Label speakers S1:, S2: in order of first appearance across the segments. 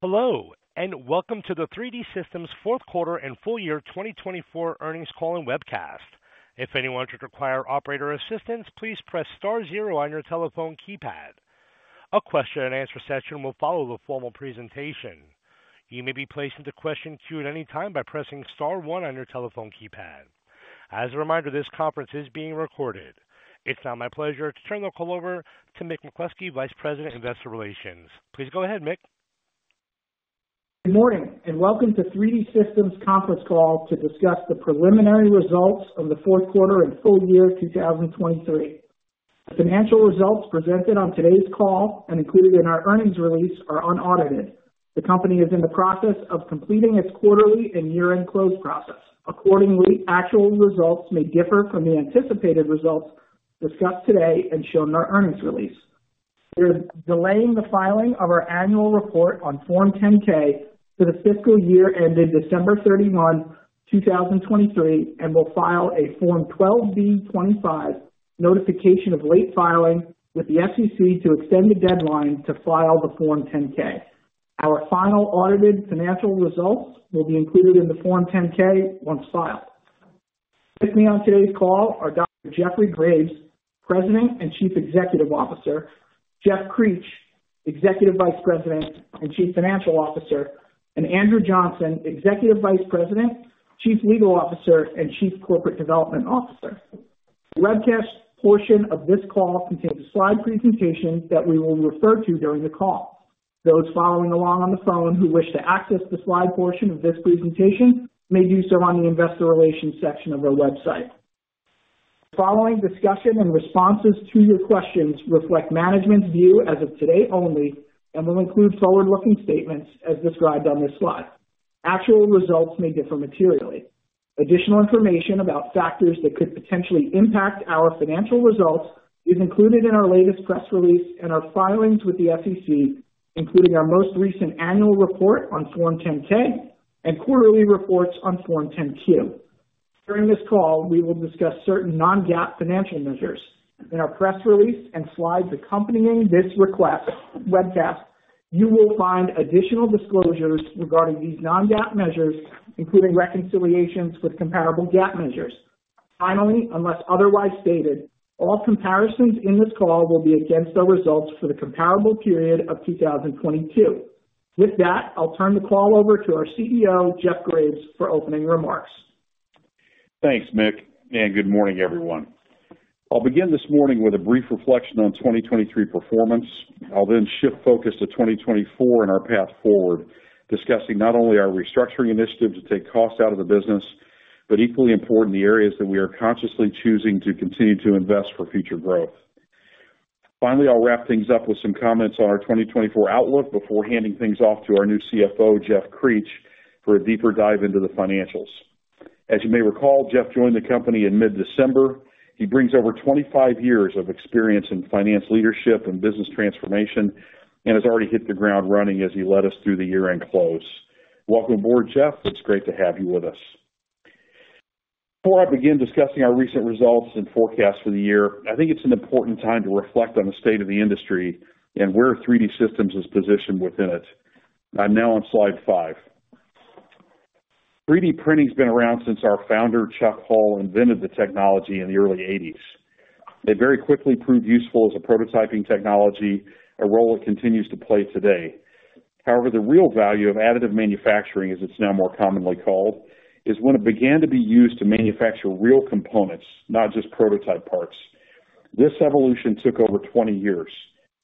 S1: Hello, and welcome to the 3D Systems Fourth Quarter and Full Year 2024 Earnings Call and Webcast. If anyone should require operator assistance, please press star zero on your telephone keypad. A question and answer session will follow the formal presentation. You may be placed into question queue at any time by pressing star one on your telephone keypad. As a reminder, this conference is being recorded. It's now my pleasure to turn the call over to Mick McCloskey, Vice President, Investor Relations. Please go ahead, Mick.
S2: Good morning, and welcome to 3D Systems conference call to discuss the preliminary results of the fourth quarter and full year 2023. Financial results presented on today's call and included in our earnings release are unaudited. The company is in the process of completing its quarterly and year-end close process. Accordingly, actual results may differ from the anticipated results discussed today and shown in our earnings release. We're delaying the filing of our annual report on Form 10-K for the fiscal year ended December 31, 2023, and will file a Form 12b-25 notification of late filing with the SEC to extend the deadline to file the Form 10-K. Our final audited financial results will be included in the Form 10-K once filed. With me on today's call are Dr. Jeffrey Graves, President and Chief Executive Officer, Jeff Creech, Executive Vice President and Chief Financial Officer, and Andrew Johnson, Executive Vice President, Chief Legal Officer, and Chief Corporate Development Officer. The webcast portion of this call contains a slide presentation that we will refer to during the call. Those following along on the phone who wish to access the slide portion of this presentation may do so on the Investor Relations section of our website. The following discussion and responses to your questions reflect management's view as of today only and will include forward-looking statements as described on this slide. Actual results may differ materially. Additional information about factors that could potentially impact our financial results is included in our latest press release and our filings with the SEC, including our most recent annual report on Form 10-K and quarterly reports on Form 10-Q. During this call, we will discuss certain non-GAAP financial measures. In our press release and slides accompanying this webcast, you will find additional disclosures regarding these non-GAAP measures, including reconciliations with comparable GAAP measures. Finally, unless otherwise stated, all comparisons in this call will be against our results for the comparable period of 2022. With that, I'll turn the call over to our CEO, Jeff Graves, for opening remarks.
S3: Thanks, Mick, and good morning, everyone. I'll begin this morning with a brief reflection on 2023 performance. I'll then shift focus to 2024 and our path forward, discussing not only our restructuring initiatives to take costs out of the business, but equally important, the areas that we are consciously choosing to continue to invest for future growth. Finally, I'll wrap things up with some comments on our 2024 outlook before handing things off to our new CFO, Jeff Creech, for a deeper dive into the financials. As you may recall, Jeff joined the company in mid-December. He brings over 25 years of experience in finance, leadership, and business transformation, and has already hit the ground running as he led us through the year-end close. Welcome aboard, Jeff. It's great to have you with us. Before I begin discussing our recent results and forecasts for the year, I think it's an important time to reflect on the state of the industry and where 3D Systems is positioned within it. I'm now on slide five. 3D printing has been around since our founder, Chuck Hull, invented the technology in the early 1980s. It very quickly proved useful as a prototyping technology, a role it continues to play today. However, the real value of additive manufacturing, as it's now more commonly called, is when it began to be used to manufacture real components, not just prototype parts. This evolution took over 20 years,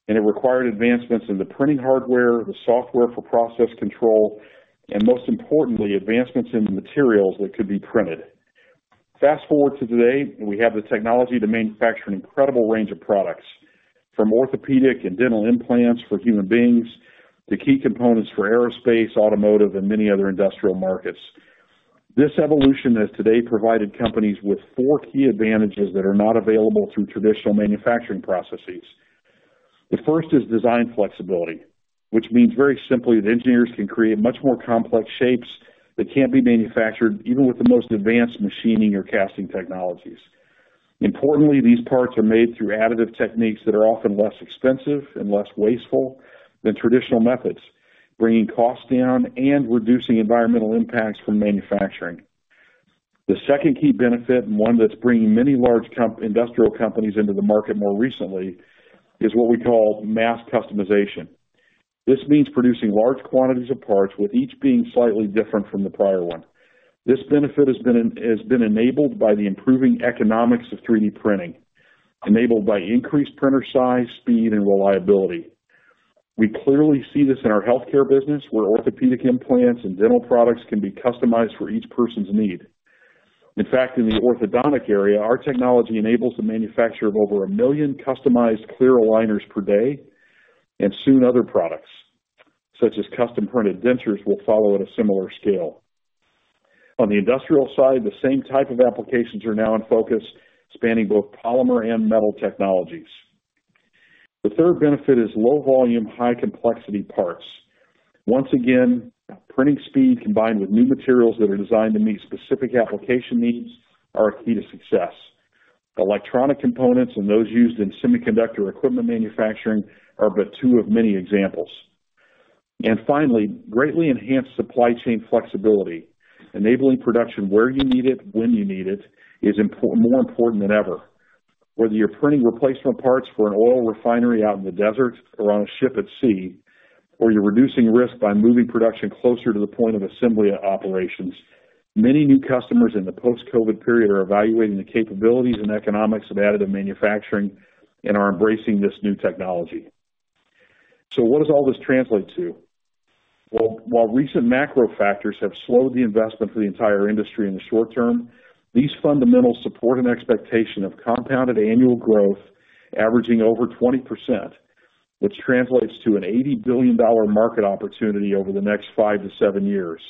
S3: and it required advancements in the printing hardware, the software for process control, and most importantly, advancements in the materials that could be printed. Fast forward to today, and we have the technology to manufacture an incredible range of products, from orthopedic and dental implants for human beings to key components for aerospace, automotive, and many other industrial markets. This evolution has today provided companies with four key advantages that are not available through traditional manufacturing processes. The first is design flexibility, which means, very simply, that engineers can create much more complex shapes that can't be manufactured, even with the most advanced machining or casting technologies. Importantly, these parts are made through additive techniques that are often less expensive and less wasteful than traditional methods, bringing costs down and reducing environmental impacts from manufacturing. The second key benefit, and one that's bringing many large industrial companies into the market more recently, is what we call mass customization. This means producing large quantities of parts, with each being slightly different from the prior one. This benefit has been enabled by the improving economics of 3D printing, enabled by increased printer size, speed, and reliability. We clearly see this in our healthcare business, where orthopedic implants and dental products can be customized for each person's need. In fact, in the orthodontic area, our technology enables the manufacture of over a million customized clear aligners per day, and soon other products, such as custom-printed dentures, will follow at a similar scale. On the industrial side, the same type of applications are now in focus, spanning both polymer and metal technologies. The third benefit is low volume, high complexity parts. Once again, printing speed, combined with new materials that are designed to meet specific application needs, are a key to success Electronic components and those used in semiconductor equipment manufacturing are but two of many examples. And finally, greatly enhanced supply chain flexibility, enabling production where you need it, when you need it, is more important than ever. Whether you're printing replacement parts for an oil refinery out in the desert or on a ship at sea, or you're reducing risk by moving production closer to the point of assembly operations, many new customers in the post-COVID period are evaluating the capabilities and economics of additive manufacturing and are embracing this new technology. So what does all this translate to? Well, while recent macro factors have slowed the investment for the entire industry in the short term, these fundamentals support an expectation of compounded annual growth averaging over 20%, which translates to an $80 billion market opportunity over the next five to seven years.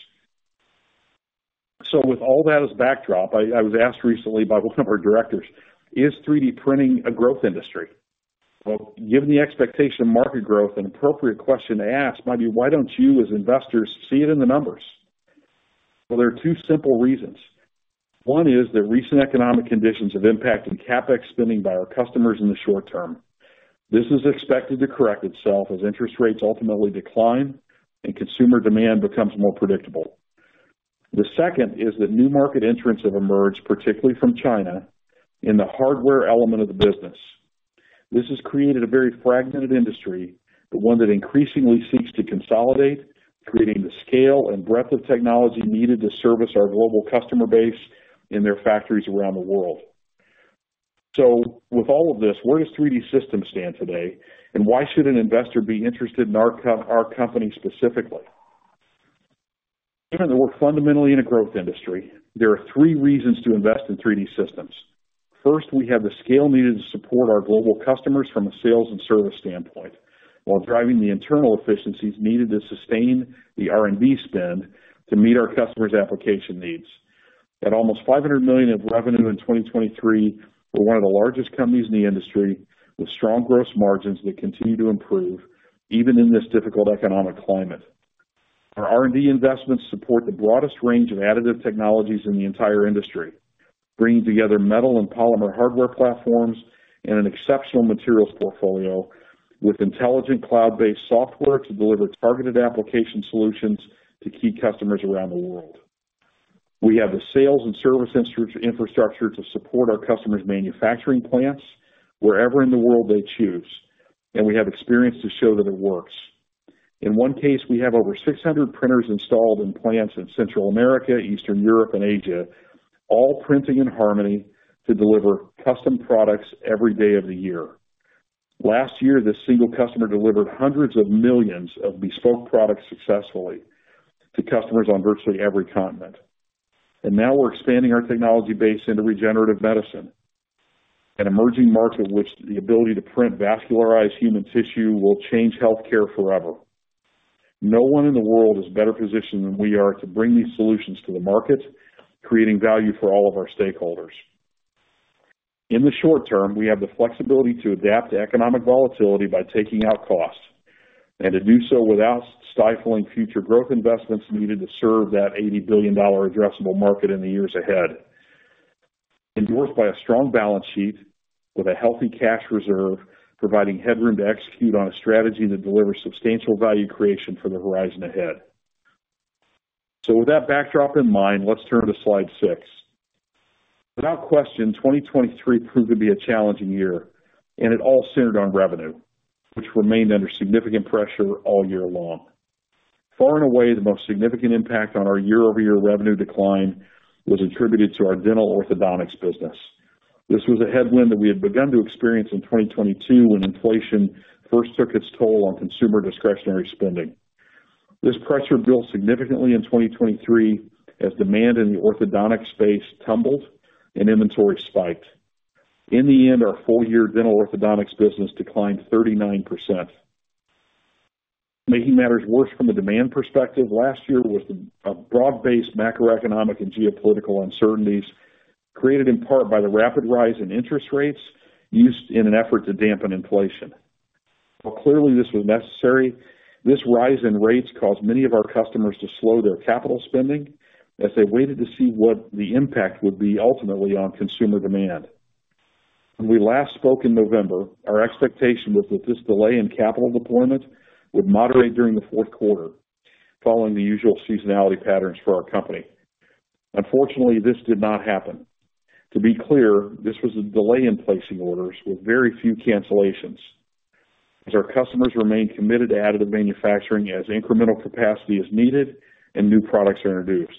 S3: So with all that as backdrop, I was asked recently by one of our directors: "Is 3D printing a growth industry?" Well, given the expectation of market growth, an appropriate question to ask might be: why don't you, as investors, see it in the numbers? Well, there are two simple reasons. One is that recent economic conditions have impacted CapEx spending by our customers in the short term. This is expected to correct itself as interest rates ultimately decline and consumer demand becomes more predictable. The second is that new market entrants have emerged, particularly from China, in the hardware element of the business. This has created a very fragmented industry, but one that increasingly seeks to consolidate, creating the scale and breadth of technology needed to service our global customer base in their factories around the world. So with all of this, where does 3D Systems stand today, and why should an investor be interested in our company specifically? Given that we're fundamentally in a growth industry, there are three reasons to invest in 3D Systems. First, we have the scale needed to support our global customers from a sales and service standpoint, while driving the internal efficiencies needed to sustain the R&D spend to meet our customers' application needs. At almost $500 million in revenue in 2023, we're one of the largest companies in the industry, with strong gross margins that continue to improve, even in this difficult economic climate. Our R&D investments support the broadest range of additive technologies in the entire industry, bringing together metal and polymer hardware platforms and an exceptional materials portfolio, with intelligent cloud-based software to deliver targeted application solutions to key customers around the world. We have the sales and service infrastructure to support our customers' manufacturing plants wherever in the world they choose, and we have experience to show that it works. In one case, we have over 600 printers installed in plants in Central America, Eastern Europe, and Asia, all printing in harmony to deliver custom products every day of the year. Last year, this single customer delivered hundreds of millions of bespoke products successfully to customers on virtually every continent. And now we're expanding our technology base into regenerative medicine, an emerging market in which the ability to print vascularized human tissue will change healthcare forever. No one in the world is better positioned than we are to bring these solutions to the market, creating value for all of our stakeholders. In the short term, we have the flexibility to adapt to economic volatility by taking out costs, and to do so without stifling future growth investments needed to serve that $80 billion addressable market in the years ahead. Endorsed by a strong balance sheet with a healthy cash reserve, providing headroom to execute on a strategy that delivers substantial value creation for the horizon ahead. So with that backdrop in mind, let's turn to slide six. Without question, 2023 proved to be a challenging year, and it all centered on revenue, which remained under significant pressure all year long. Far and away, the most significant impact on our year-over-year revenue decline was attributed to our dental orthodontics business. This was a headwind that we had begun to experience in 2022, when inflation first took its toll on consumer discretionary spending. This pressure built significantly in 2023, as demand in the orthodontic space tumbled and inventory spiked. In the end, our full year dental orthodontics business declined 39%. Making matters worse from a demand perspective, last year was a broad-based macroeconomic and geopolitical uncertainties, created in part by the rapid rise in interest rates used in an effort to dampen inflation. While clearly this was necessary, this rise in rates caused many of our customers to slow their capital spending as they waited to see what the impact would be ultimately on consumer demand. When we last spoke in November, our expectation was that this delay in capital deployment would moderate during the fourth quarter, following the usual seasonality patterns for our company. Unfortunately, this did not happen. To be clear, this was a delay in placing orders with very few cancellations, as our customers remained committed to additive manufacturing as incremental capacity is needed and new products are introduced.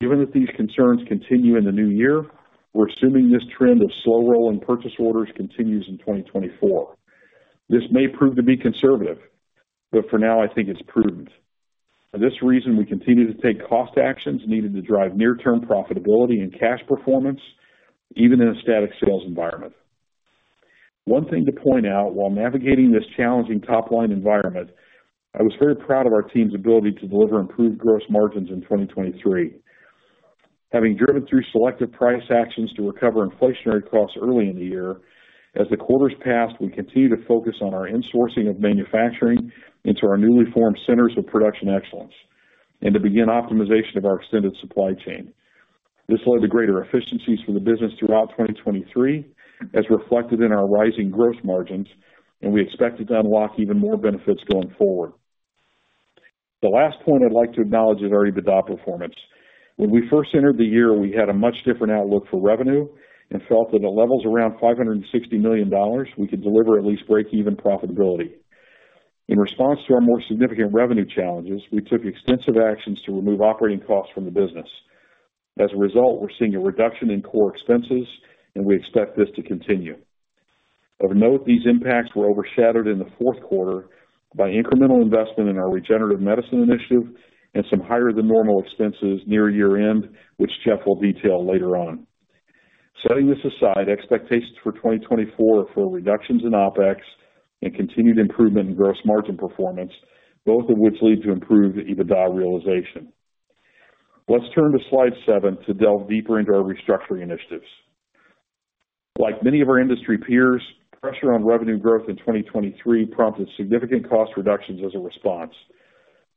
S3: Given that these concerns continue in the new year, we're assuming this trend of slow roll in purchase orders continues in 2024. This may prove to be conservative, but for now I think it's prudent. For this reason, we continue to take cost actions needed to drive near-term profitability and cash performance, even in a static sales environment. One thing to point out, while navigating this challenging top-line environment, I was very proud of our team's ability to deliver improved gross margins in 2023. Having driven through selective price actions to recover inflationary costs early in the year, as the quarters passed, we continued to focus on our insourcing of manufacturing into our newly formed centers of production excellence, and to begin optimization of our extended supply chain. This led to greater efficiencies for the business throughout 2023, as reflected in our rising gross margins, and we expect it to unlock even more benefits going forward. The last point I'd like to acknowledge is our EBITDA performance. When we first entered the year, we had a much different outlook for revenue and felt that at levels around $560 million, we could deliver at least break-even profitability. In response to our more significant revenue challenges, we took extensive actions to remove operating costs from the business. As a result, we're seeing a reduction in core expenses, and we expect this to continue. Of note, these impacts were overshadowed in the fourth quarter by incremental investment in our regenerative medicine initiative and some higher than normal expenses near year-end, which Jeff will detail later on. Setting this aside, expectations for 2024 are for reductions in OpEx and continued improvement in gross margin performance, both of which lead to improved EBITDA realization. Let's turn to slide seven to delve deeper into our restructuring initiatives. Like many of our industry peers, pressure on revenue growth in 2023 prompted significant cost reductions as a response.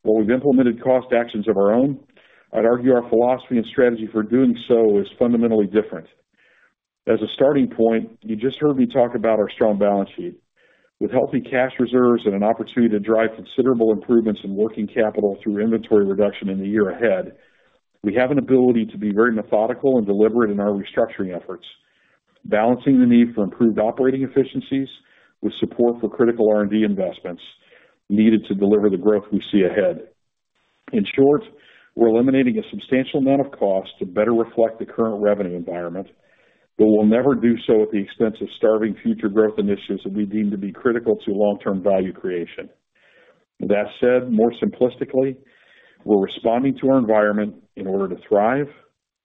S3: While we've implemented cost actions of our own, I'd argue our philosophy and strategy for doing so is fundamentally different. As a starting point, you just heard me talk about our strong balance sheet. With healthy cash reserves and an opportunity to drive considerable improvements in working capital through inventory reduction in the year ahead, we have an ability to be very methodical and deliberate in our restructuring efforts, balancing the need for improved operating efficiencies with support for critical R&D investments needed to deliver the growth we see ahead. In short, we're eliminating a substantial amount of costs to better reflect the current revenue environment, but we'll never do so at the expense of starving future growth initiatives that we deem to be critical to long-term value creation. With that said, more simplistically, we're responding to our environment in order to thrive,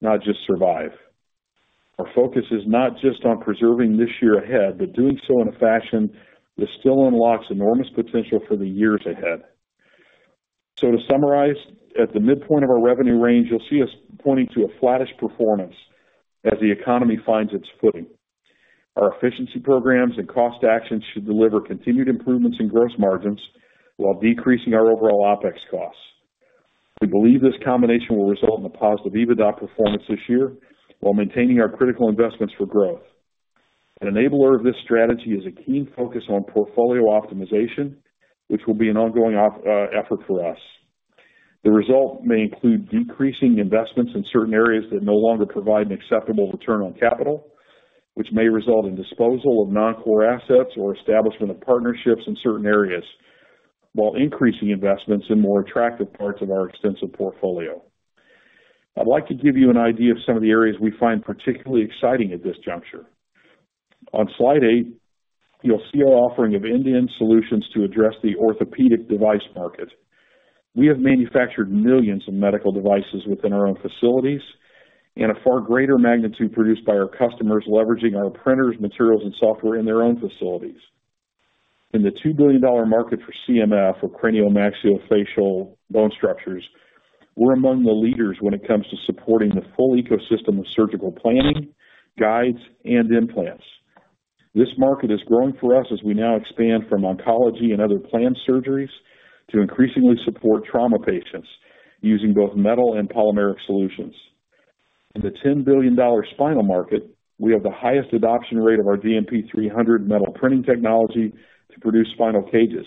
S3: not just survive. Our focus is not just on preserving this year ahead, but doing so in a fashion that still unlocks enormous potential for the years ahead. So to summarize, at the midpoint of our revenue range, you'll see us pointing to a flattish performance as the economy finds its footing. Our efficiency programs and cost actions should deliver continued improvements in gross margins, while decreasing our overall OpEx costs. We believe this combination will result in a positive EBITDA performance this year, while maintaining our critical investments for growth. An enabler of this strategy is a keen focus on portfolio optimization, which will be an ongoing effort for us. The result may include decreasing investments in certain areas that no longer provide an acceptable return on capital, which may result in disposal of non-core assets or establishment of partnerships in certain areas, while increasing investments in more attractive parts of our extensive portfolio. I'd like to give you an idea of some of the areas we find particularly exciting at this juncture. On slide eight, you'll see our offering of end-to-end solutions to address the orthopedic device market. We have manufactured millions of medical devices within our own facilities, and a far greater magnitude produced by our customers, leveraging our printers, materials, and software in their own facilities. In the $2 billion market for CMF, or craniomaxillofacial bone structures, we're among the leaders when it comes to supporting the full ecosystem of surgical planning, guides, and implants. This market is growing for us as we now expand from oncology and other planned surgeries to increasingly support trauma patients, using both metal and polymeric solutions. In the $10 billion spinal market, we have the highest adoption rate of our DMP 300 metal printing technology to produce spinal cages,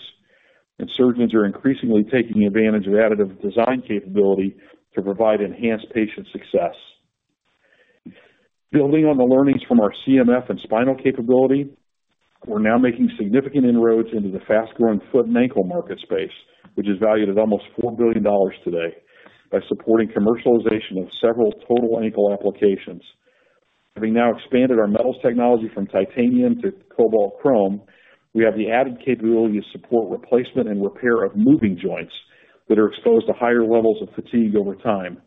S3: and surgeons are increasingly taking advantage of additive design capability to provide enhanced patient success. Building on the learnings from our CMF and spinal capability, we're now making significant inroads into the fast-growing foot and ankle market space, which is valued at almost $4 billion today, by supporting commercialization of several total ankle applications. Having now expanded our metals technology from titanium to cobalt chrome, we have the added capability to support replacement and repair of moving joints that are exposed to higher levels of fatigue over time.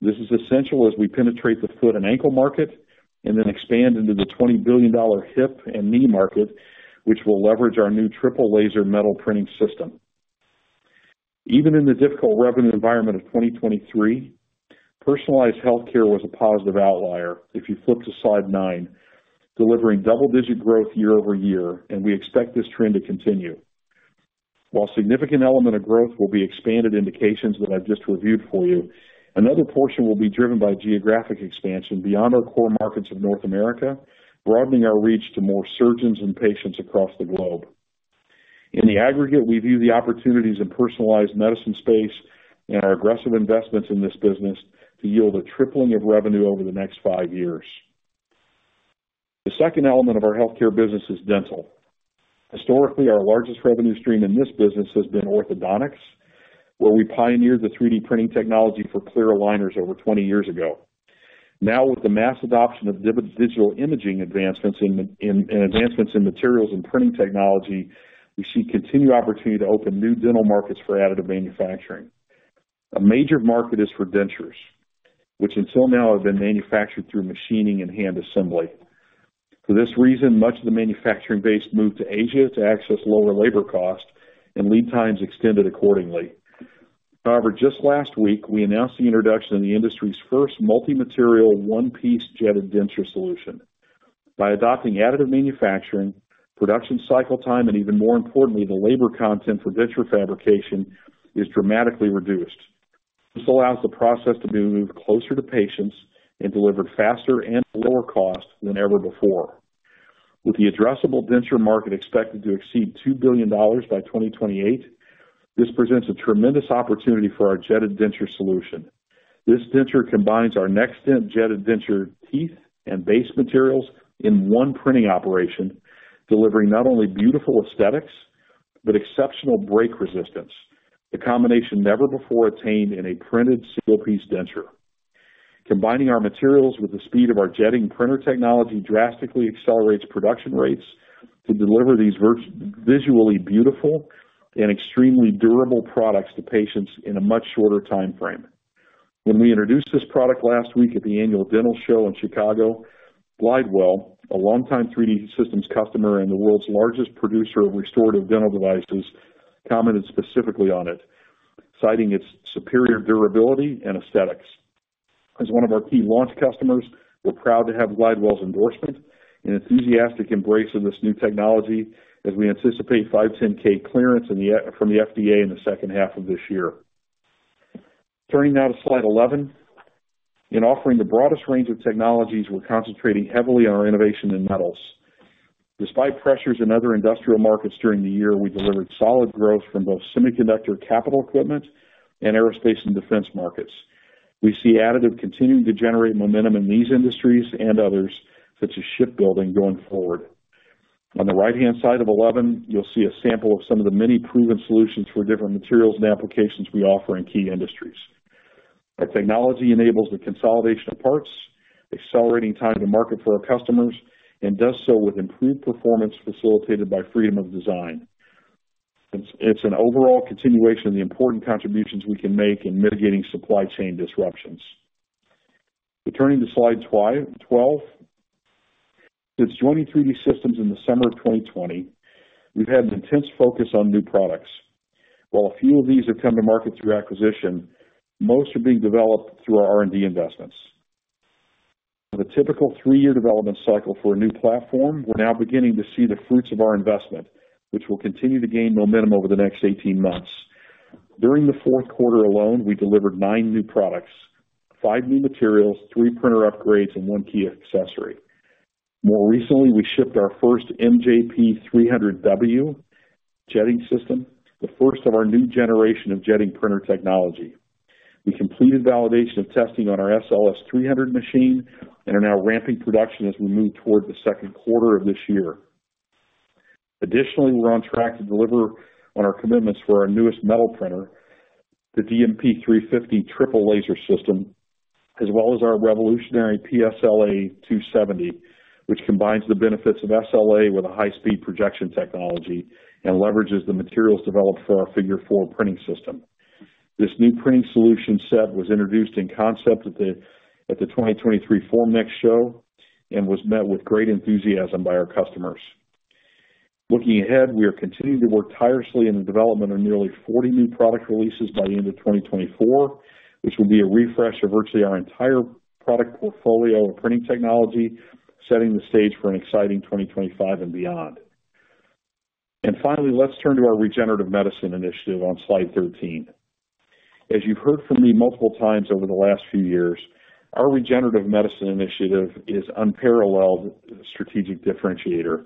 S3: This is essential as we penetrate the foot and ankle market and then expand into the $20 billion hip and knee market, which will leverage our new triple laser metal printing system. Even in the difficult revenue environment of 2023, personalized healthcare was a positive outlier, if you flip to slide nine, delivering double-digit growth year-over-year, and we expect this trend to continue. While a significant element of growth will be expanded indications that I've just reviewed for you, another portion will be driven by geographic expansion beyond our core markets of North America, broadening our reach to more surgeons and patients across the globe. In the aggregate, we view the opportunities in personalized medicine space and our aggressive investments in this business to yield a tripling of revenue over the next five years. The second element of our healthcare business is dental. Historically, our largest revenue stream in this business has been orthodontics, where we pioneered the 3D printing technology for clear aligners over 20 years ago. Now, with the mass adoption of digital imaging advancements in, and advancements in materials and printing technology, we see continued opportunity to open new dental markets for additive manufacturing. A major market is for dentures, which until now have been manufactured through machining and hand assembly. For this reason, much of the manufacturing base moved to Asia to access lower labor costs and lead times extended accordingly. However, just last week, we announced the introduction of the industry's first multi-material, one-piece jetted denture solution. By adopting additive manufacturing, production cycle time, and even more importantly, the labor content for denture fabrication is dramatically reduced. This allows the process to be moved closer to patients and delivered faster and lower cost than ever before. With the addressable denture market expected to exceed $2 billion by 2028, this presents a tremendous opportunity for our jetted denture solution. This denture combines our NextDent Jetted Denture, teeth, and base materials in one printing operation, delivering not only beautiful aesthetics, but exceptional break resistance. The combination never before attained in a printed single-piece denture. Combining our materials with the speed of our jetting printer technology drastically accelerates production rates to deliver these visually beautiful and extremely durable products to patients in a much shorter timeframe. When we introduced this product last week at the annual dental show in Chicago, Glidewell, a longtime 3D Systems customer and the world's largest producer of restorative dental devices, commented specifically on it, citing its superior durability and aesthetics. As one of our key launch customers, we're proud to have Glidewell's endorsement and enthusiastic embrace of this new technology as we anticipate 510(k) clearance from the FDA in the second half of this year. Turning now to slide 11. In offering the broadest range of technologies, we're concentrating heavily on our innovation in metals. Despite pressures in other industrial markets during the year, we delivered solid growth from both semiconductor capital equipment and aerospace and defense markets. We see additive continuing to generate momentum in these industries and others, such as shipbuilding, going forward. On the right-hand side of 11, you'll see a sample of some of the many proven solutions for different materials and applications we offer in key industries. Our technology enables the consolidation of parts, accelerating time to market for our customers, and does so with improved performance facilitated by freedom of design. It's an overall continuation of the important contributions we can make in mitigating supply chain disruptions. We're turning to slide 12. Since joining 3D Systems in the summer of 2020, we've had an intense focus on new products. While a few of these have come to market through acquisition, most are being developed through our R&D investments. With a typical three-year development cycle for a new platform, we're now beginning to see the fruits of our investment, which will continue to gain momentum over the next 18 months. During the fourth quarter alone, we delivered nine new products, five new materials, three printer upgrades, and one key accessory. More recently, we shipped our first MJP 300W jetting system, the first of our new generation of jetting printer technology. We completed validation and testing on our SLS 300 machine and are now ramping production as we move toard the second quarter of this year. Additionally, we're on track to deliver on our commitments for our newest metal printer, the DMP 350 triple laser system, as well as our revolutionary PSLA 270, which combines the benefits of SLA with a high-speed projection technology and leverages the materials developed for our Figure 4 printing system. This new printing solution set was introduced in concept at the 2023 Formnext show and was met with great enthusiasm by our customers. Looking ahead, we are continuing to work tirelessly in the development of nearly 40 new product releases by the end of 2024, which will be a refresh of virtually our entire product portfolio of printing technology, setting the stage for an exciting 2025 and beyond. Finally, let's turn to our regenerative medicine initiative on slide 13. As you've heard from me multiple times over the last few years, our regenerative medicine initiative is unparalleled strategic differentiator,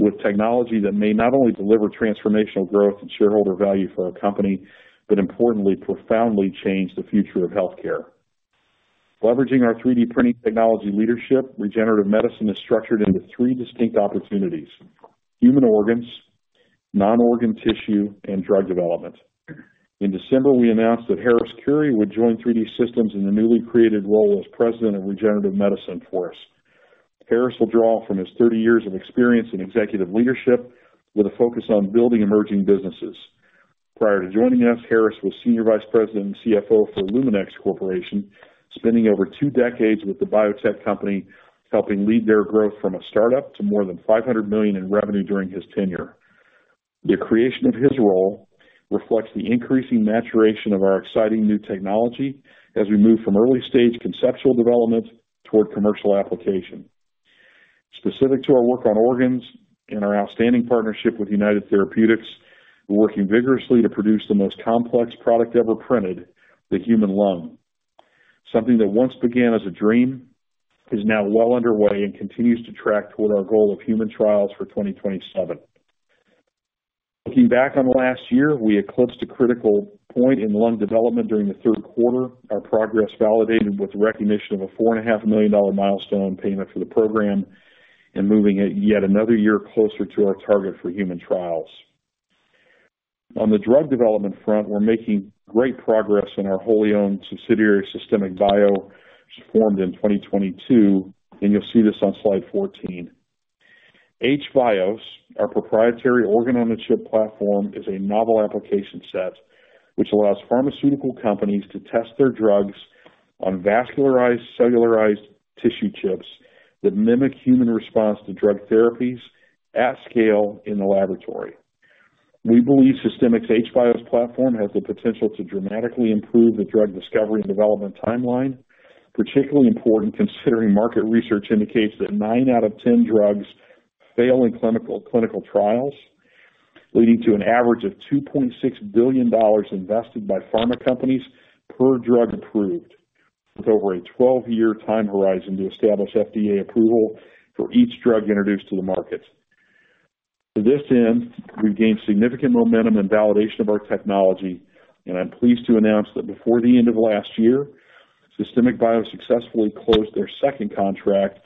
S3: with technology that may not only deliver transformational growth and shareholder value for our company, but importantly, profoundly change the future of healthcare. Leveraging our 3D printing technology leadership, regenerative medicine is structured into three distinct opportunities: human organs, non-organ tissue, and drug development. In December, we announced that Harriss Currie would join 3D Systems in the newly created role as President of Regenerative Medicine for us. Harriss will draw from his 30 years of experience in executive leadership with a focus on building emerging businesses. Prior to joining us, Harriss was Senior Vice President and CFO for Luminex Corporation, spending over two decades with the biotech company, helping lead their growth from a start-up to more than $500 million in revenue during his tenure. The creation of his role reflects the increasing maturation of our exciting new technology as we move from early-stage conceptual development toward commercial application. Specific to our work on organs and our outstanding partnership with United Therapeutics, we're working vigorously to produce the most complex product ever printed, the human lung. Something that once began as a dream is now well underway and continues to track toward our goal of human trials for 2027. Looking back on the last year, we eclipsed a critical point in lung development during the third quarter. Our progress validated with recognition of a $4.5 million milestone payment for the program and moving it yet another year closer to our target for human trials. On the drug development front, we're making great progress in our wholly owned subsidiary, Systemic Bio, which formed in 2022, and you'll see this on Slide 14. h-VIOS, our proprietary organ-on-a-chip platform, is a novel application set which allows pharmaceutical companies to test their drugs on vascularized, cellularized tissue chips that mimic human response to drug therapies at scale in the laboratory. We believe Systemic Bio's h-VIOS platform has the potential to dramatically improve the drug discovery and development timeline, particularly important considering market research indicates that 9 out of 10 drugs fail in clinical trials, leading to an average of $2.6 billion invested by pharma companies per drug approved, with over a 12-year time horizon to establish FDA approval for each drug introduced to the market. To this end, we've gained significant momentum and validation of our technology, and I'm pleased to announce that before the end of last year, Systemic Bio successfully closed their second contract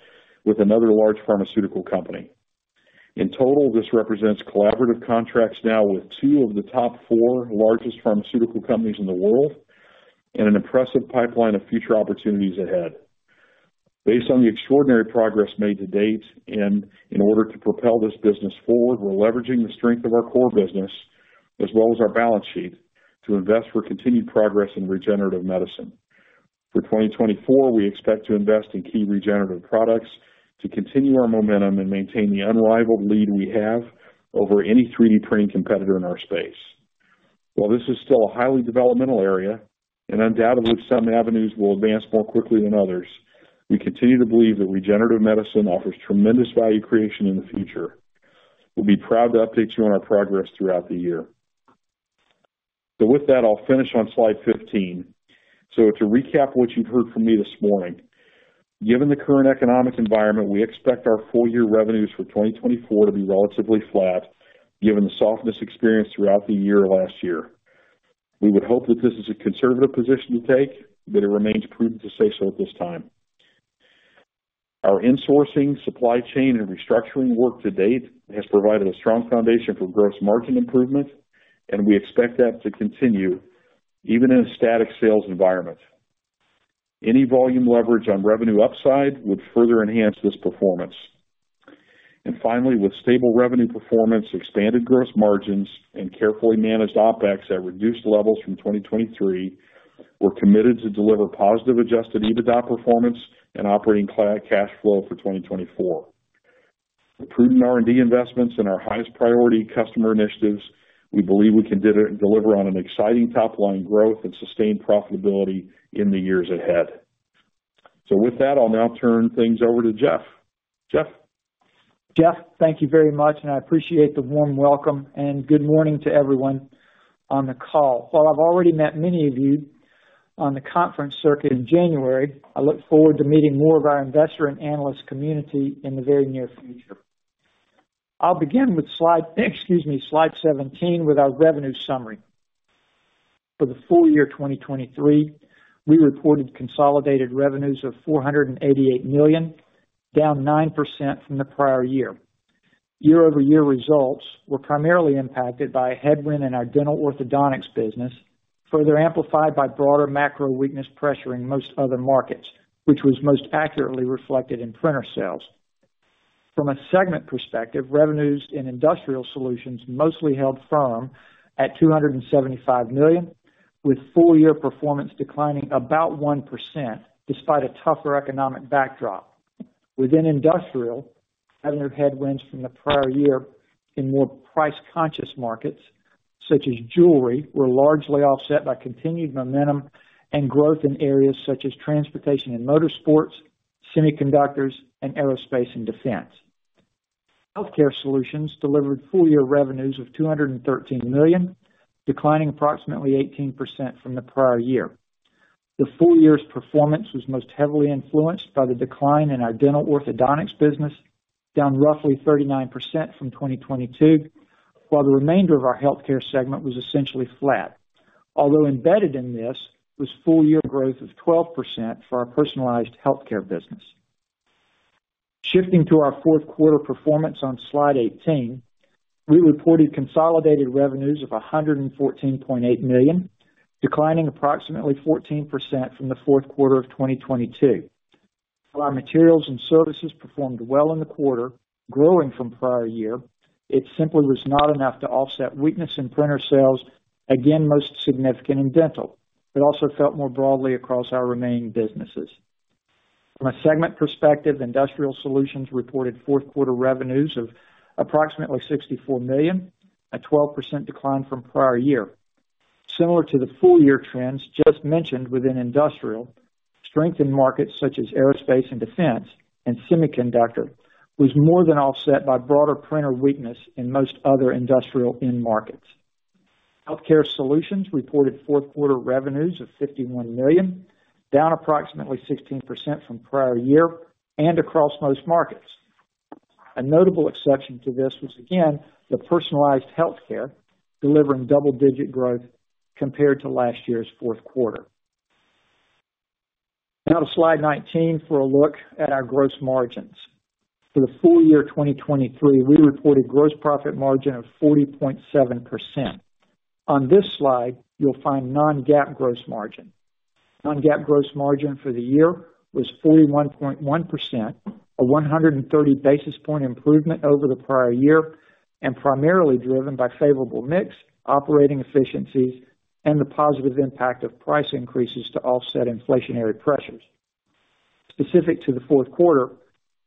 S3: with another large pharmaceutical company. In total, this represents collaborative contracts now with two of the top four largest pharmaceutical companies in the world and an impressive pipeline of future opportunities ahead. Based on the extraordinary progress made to date, and in order to propel this business forward, we're leveraging the strength of our core business as well as our balance sheet, to invest for continued progress in regenerative medicine. For 2024, we expect to invest in key regenerative products to continue our momentum and maintain the unrivaled lead we have over any 3D printing competitor in our space. While this is still a highly developmental area, and undoubtedly some avenues will advance more quickly than others, we continue to believe that regenerative medicine offers tremendous value creation in the future. We'll be proud to update you on our progress throughout the year. So with that, I'll finish on slide 15. So to recap what you've heard from me this morning. Given the current economic environment, we expect our full year revenues for 2024 to be relatively flat, given the softness experienced throughout the year last year. We would hope that this is a conservative position to take, but it remains prudent to say so at this time. Our insourcing, supply chain, and restructuring work to date has provided a strong foundation for gross margin improvement, and we expect that to continue even in a static sales environment. Any volume leverage on revenue upside would further enhance this performance. Finally, with stable revenue performance, expanded gross margins and carefully managed OpEx at reduced levels from 2023, we're committed to deliver positive adjusted EBITDA performance and operating cash flow for 2024. With prudent R&D investments and our highest priority customer initiatives, we believe we can deliver on an exciting top line growth and sustained profitability in the years ahead. With that, I'll now turn things over to Jeff. Jeff?
S4: Jeff, thank you very much, and I appreciate the warm welcome, and good morning to everyone on the call. While I've already met many of you on the conference circuit in January, I look forward to meeting more of our investor and analyst community in the very near future. I'll begin with slide, excuse me, slide 17, with our revenue summary. For the full year 2023, we reported consolidated revenues of $488 million, down 9% from the prior year. Year-over-year results were primarily impacted by a headwind in our dental orthodontics business, further amplified by broader macro weakness pressuring most other markets, which was most accurately reflected in printer sales. From a segment perspective, revenues in industrial solutions mostly held firm at $275 million, with full year performance declining about 1%, despite a tougher economic backdrop. Within industrial, having headwinds from the prior year in more price-conscious markets, such as jewelry, were largely offset by continued momentum and growth in areas such as transportation and motorsports, semiconductors, and aerospace and defense. Healthcare solutions delivered full year revenues of $213 million, declining approximately 18% from the prior year. The full year's performance was most heavily influenced by the decline in our dental orthodontics business, down roughly 39% from 2022, while the remainder of our healthcare segment was essentially flat. Although embedded in this was full year growth of 12% for our personalized healthcare business. Shifting to our fourth quarter performance on Slide 18, we reported consolidated revenues of $114.8 million, declining approximately 14% from the fourth quarter of 2022. While our materials and services performed well in the quarter, growing from prior year, it simply was not enough to offset weakness in printer sales, again, most significant in dental. It also felt more broadly across our remaining businesses. From a segment perspective, Industrial Solutions reported fourth quarter revenues of approximately $64 million, a 12% decline from prior year. Similar to the full year trends just mentioned within Industrial, strength in markets such as aerospace and defense and semiconductor, was more than offset by broader printer weakness in most other industrial end markets. Healthcare Solutions reported fourth quarter revenues of $51 million, down approximately 16% from prior year and across most markets. A notable exception to this was, again, the personalized healthcare, delivering double-digit growth compared to last year's fourth quarter. Now to Slide 19, for a look at our gross margins. For the full year 2023, we reported gross profit margin of 40.7%. On this slide, you'll find non-GAAP gross margin. Non-GAAP gross margin for the year was 41.1%, a 130 basis point improvement over the prior year, and primarily driven by favorable mix, operating efficiencies, and the positive impact of price increases to offset inflationary pressures. Specific to the fourth quarter,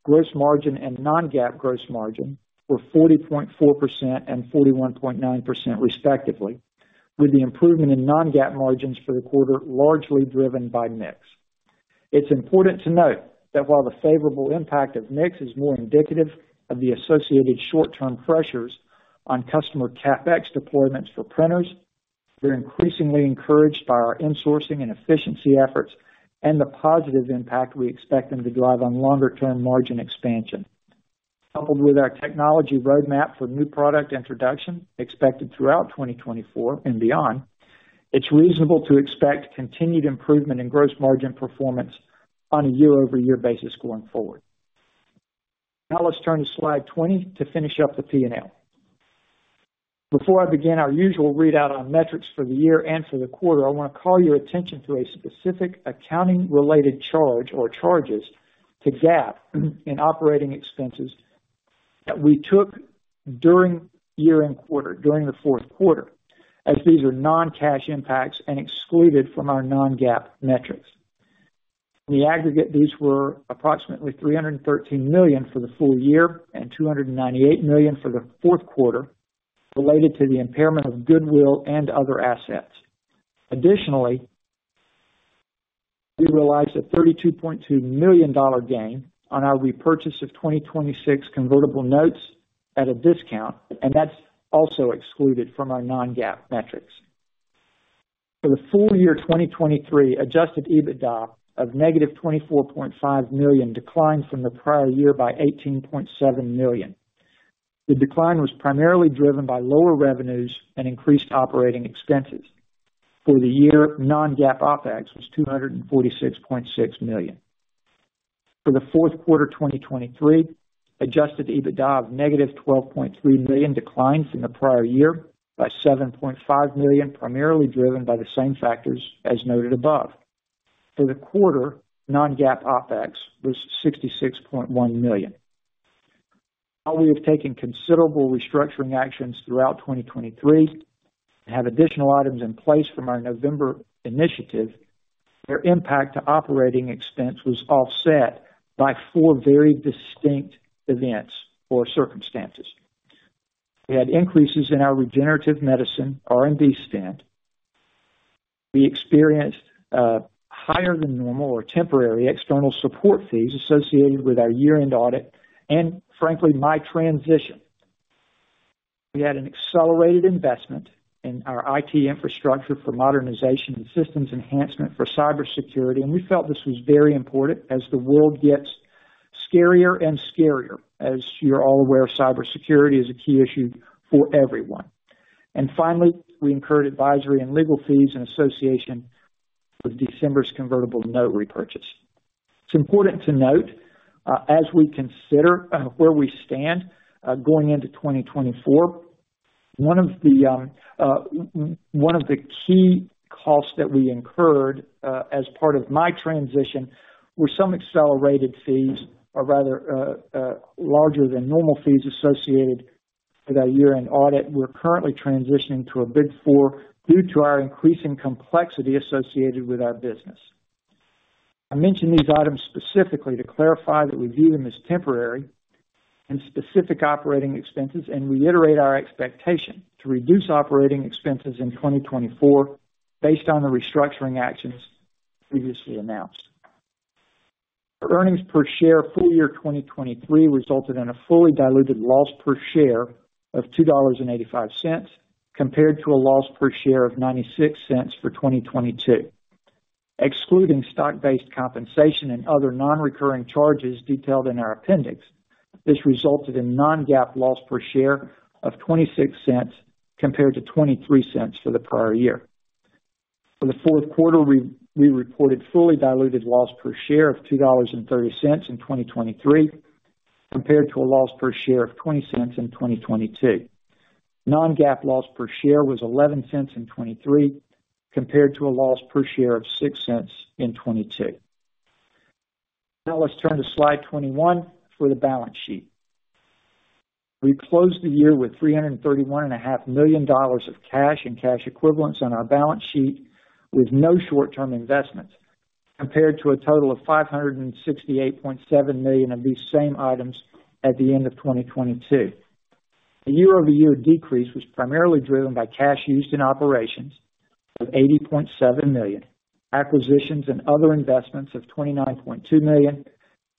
S4: gross margin and non-GAAP gross margin were 40.4% and 41.9% respectively, with the improvement in non-GAAP margins for the quarter largely driven by mix. It's important to note that while the favorable impact of mix is more indicative of the associated short-term pressures on customer CapEx deployments for printers, we're increasingly encouraged by our insourcing and efficiency efforts and the positive impact we expect them to drive on longer-term margin expansion. Coupled with our technology roadmap for new product introduction expected throughout 2024 and beyond, it's reasonable to expect continued improvement in gross margin performance on a year-over-year basis going forward. Now let's turn to Slide 20 to finish up the P&L. Before I begin our usual readout on metrics for the year and for the quarter, I want to call your attention to a specific accounting-related charge, or charges, to GAAP in operating expenses that we took during year and quarter, during the fourth quarter, as these are non-cash impacts and excluded from our non-GAAP metrics. In the aggregate, these were approximately $313 million for the full year and $298 million for the fourth quarter, related to the impairment of goodwill and other assets. Additionally, we realized a $32.2 million gain on our repurchase of 2026 convertible notes at a discount, and that's also excluded from our non-GAAP metrics. For the full year 2023, adjusted EBITDA of -$24.5 million declined from the prior year by $18.7 million. The decline was primarily driven by lower revenues and increased operating expenses. For the year, non-GAAP OpEx was $246.6 million. For the fourth quarter, 2023, adjusted EBITDA of -$12.3 million declined from the prior year by $7.5 million, primarily driven by the same factors as noted above. For the quarter, non-GAAP OpEx was $66.1 million. While we have taken considerable restructuring actions throughout 2023 and have additional items in place from our November initiative, their impact to operating expense was offset by four very distinct events or circumstances. We had increases in our regenerative medicine, R&D spend. We experienced higher than normal or temporary external support fees associated with our year-end audit, and frankly, my transition. We had an accelerated investment in our IT infrastructure for modernization and systems enhancement for cybersecurity, and we felt this was very important as the world gets scarier and scarier. As you're all aware, cybersecurity is a key issue for everyone. And finally, we incurred advisory and legal fees in association with December's convertible note repurchase. It's important to note, as we consider, where we stand, going into 2024, one of the key costs that we incurred, as part of my transition, were some accelerated fees, or rather, larger than normal fees associated with our year-end audit. We're currently transitioning to a Big Four due to our increasing complexity associated with our business. I mention these items specifically to clarify that we view them as temporary and specific operating expenses, and reiterate our expectation to reduce operating expenses in 2024 based on the restructuring actions previously announced. Our earnings per share full year 2023 resulted in a fully diluted loss per share of $2.85, compared to a loss per share of $0.96 for 2022. Excluding stock-based compensation and other non-recurring charges detailed in our appendix, this resulted in non-GAAP loss per share of $0.26, compared to $0.23 for the prior year. For the fourth quarter, we reported fully diluted loss per share of $2.30 in 2023, compared to a loss per share of $0.20 in 2022. Non-GAAP loss per share was $0.11 in 2023, compared to a loss per share of $0.06 in 2022. Now, let's turn to Slide 21 for the balance sheet. We closed the year with $331.5 million of cash and cash equivalents on our balance sheet, with no short-term investments, compared to a total of $568.7 million of these same items at the end of 2022. The year-over-year decrease was primarily driven by cash used in operations of $80.7 million, acquisitions and other investments of $29.2 million,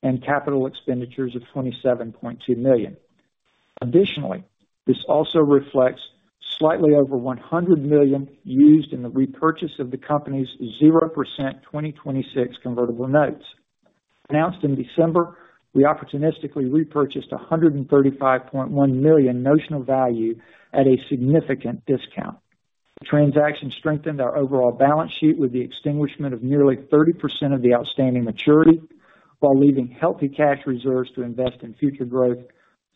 S4: and capital expenditures of $27.2 million. Additionally, this also reflects slightly over $100 million used in the repurchase of the company's 0% 2026 convertible notes. Announced in December, we opportunistically repurchased $135.1 million notional value at a significant discount. The transaction strengthened our overall balance sheet, with the extinguishment of nearly 30% of the outstanding maturity, while leaving healthy cash reserves to invest in future growth,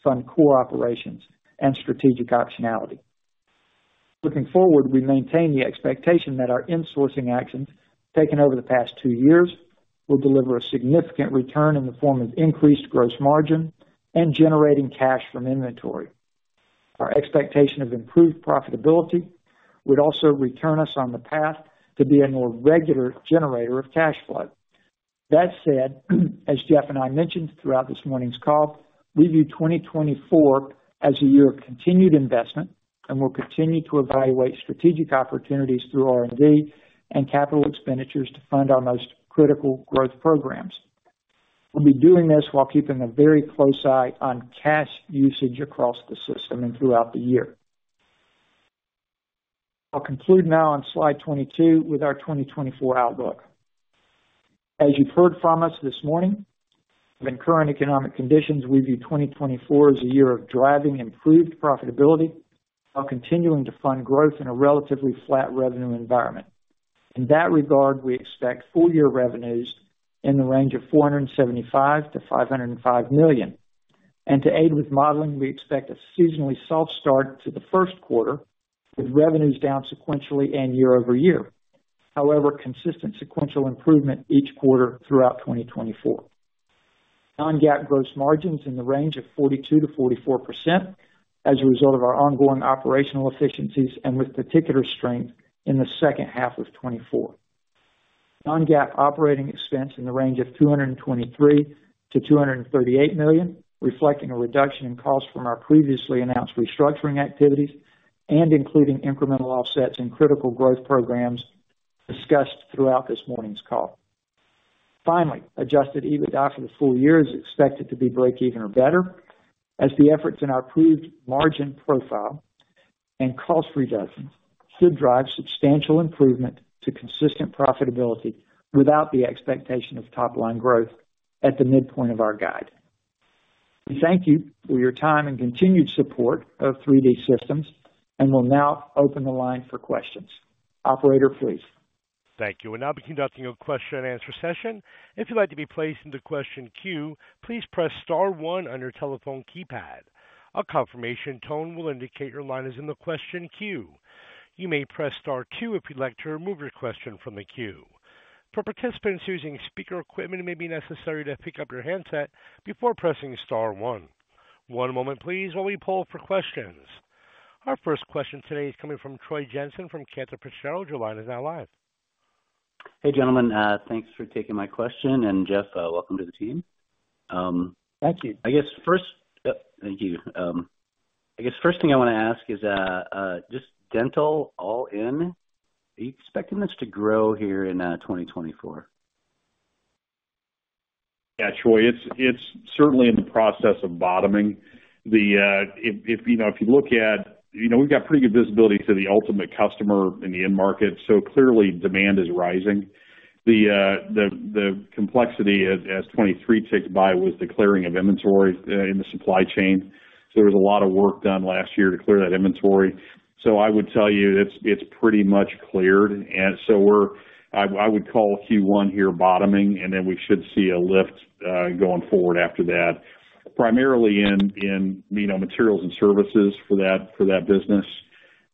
S4: fund core operations, and strategic optionality. Looking forward, we maintain the expectation that our insourcing actions, taken over the past two years, will deliver a significant return in the form of increased gross margin and generating cash from inventory. Our expectation of improved profitability would also return us on the path to be a more regular generator of cash flow. That said, as Jeff and I mentioned throughout this morning's call, we view 2024 as a year of continued investment, and we'll continue to evaluate strategic opportunities through R&D and capital expenditures to fund our most critical growth programs. We'll be doing this while keeping a very close eye on cash usage across the system and throughout the year. I'll conclude now on slide 22 with our 2024 outlook. As you've heard from us this morning, in current economic conditions, we view 2024 as a year of driving improved profitability while continuing to fund growth in a relatively flat revenue environment. In that regard, we expect full year revenues in the range of $475 million-$505 million. To aid with modeling, we expect a seasonally soft start to the first quarter, with revenues down sequentially and year-over-year. However, consistent sequential improvement each quarter throughout 2024. Non-GAAP gross margins in the range of 42%-44% as a result of our ongoing operational efficiencies and with particular strength in the second half of 2024. Non-GAAP operating expense in the range of $223 million-$238 million, reflecting a reduction in costs from our previously announced restructuring activities and including incremental offsets in critical growth programs discussed throughout this morning's call. Finally, adjusted EBITDA for the full year is expected to be breakeven or better, as the efforts in our improved margin profile and cost reductions should drive substantial improvement to consistent profitability without the expectation of top line growth at the midpoint of our guide. We thank you for your time and continued support of 3D Systems, and we'll now open the line for questions. Operator, please.
S1: Thank you. We'll now be conducting a question and answer session. If you'd like to be placed into question queue, please press star one on your telephone keypad. A confirmation tone will indicate your line is in the question queue. You may press star two if you'd like to remove your question from the queue. For participants using speaker equipment, it may be necessary to pick up your handset before pressing star one. One moment please, while we poll for questions. Our first question today is coming from Troy Jensen from Cantor Fitzgerald. Your line is now live.
S5: Hey, gentlemen, thanks for taking my question, and Jeff, welcome to the team.
S4: Thank you.
S5: I guess first thing I want to ask is, just dental, all in, are you expecting this to grow here in 2024?
S3: Yeah, Troy, it's certainly in the process of bottoming. You know, if you look at we've got pretty good visibility to the ultimate customer in the end market, so clearly demand is rising. The complexity as 2023 ticks by was the clearing of inventory in the supply chain. So there was a lot of work done last year to clear that inventory. So I would tell you, it's pretty much cleared, and so I would call Q1 here bottoming, and then we should see a lift going forward after that, primarily in, you know, materials and services for that business.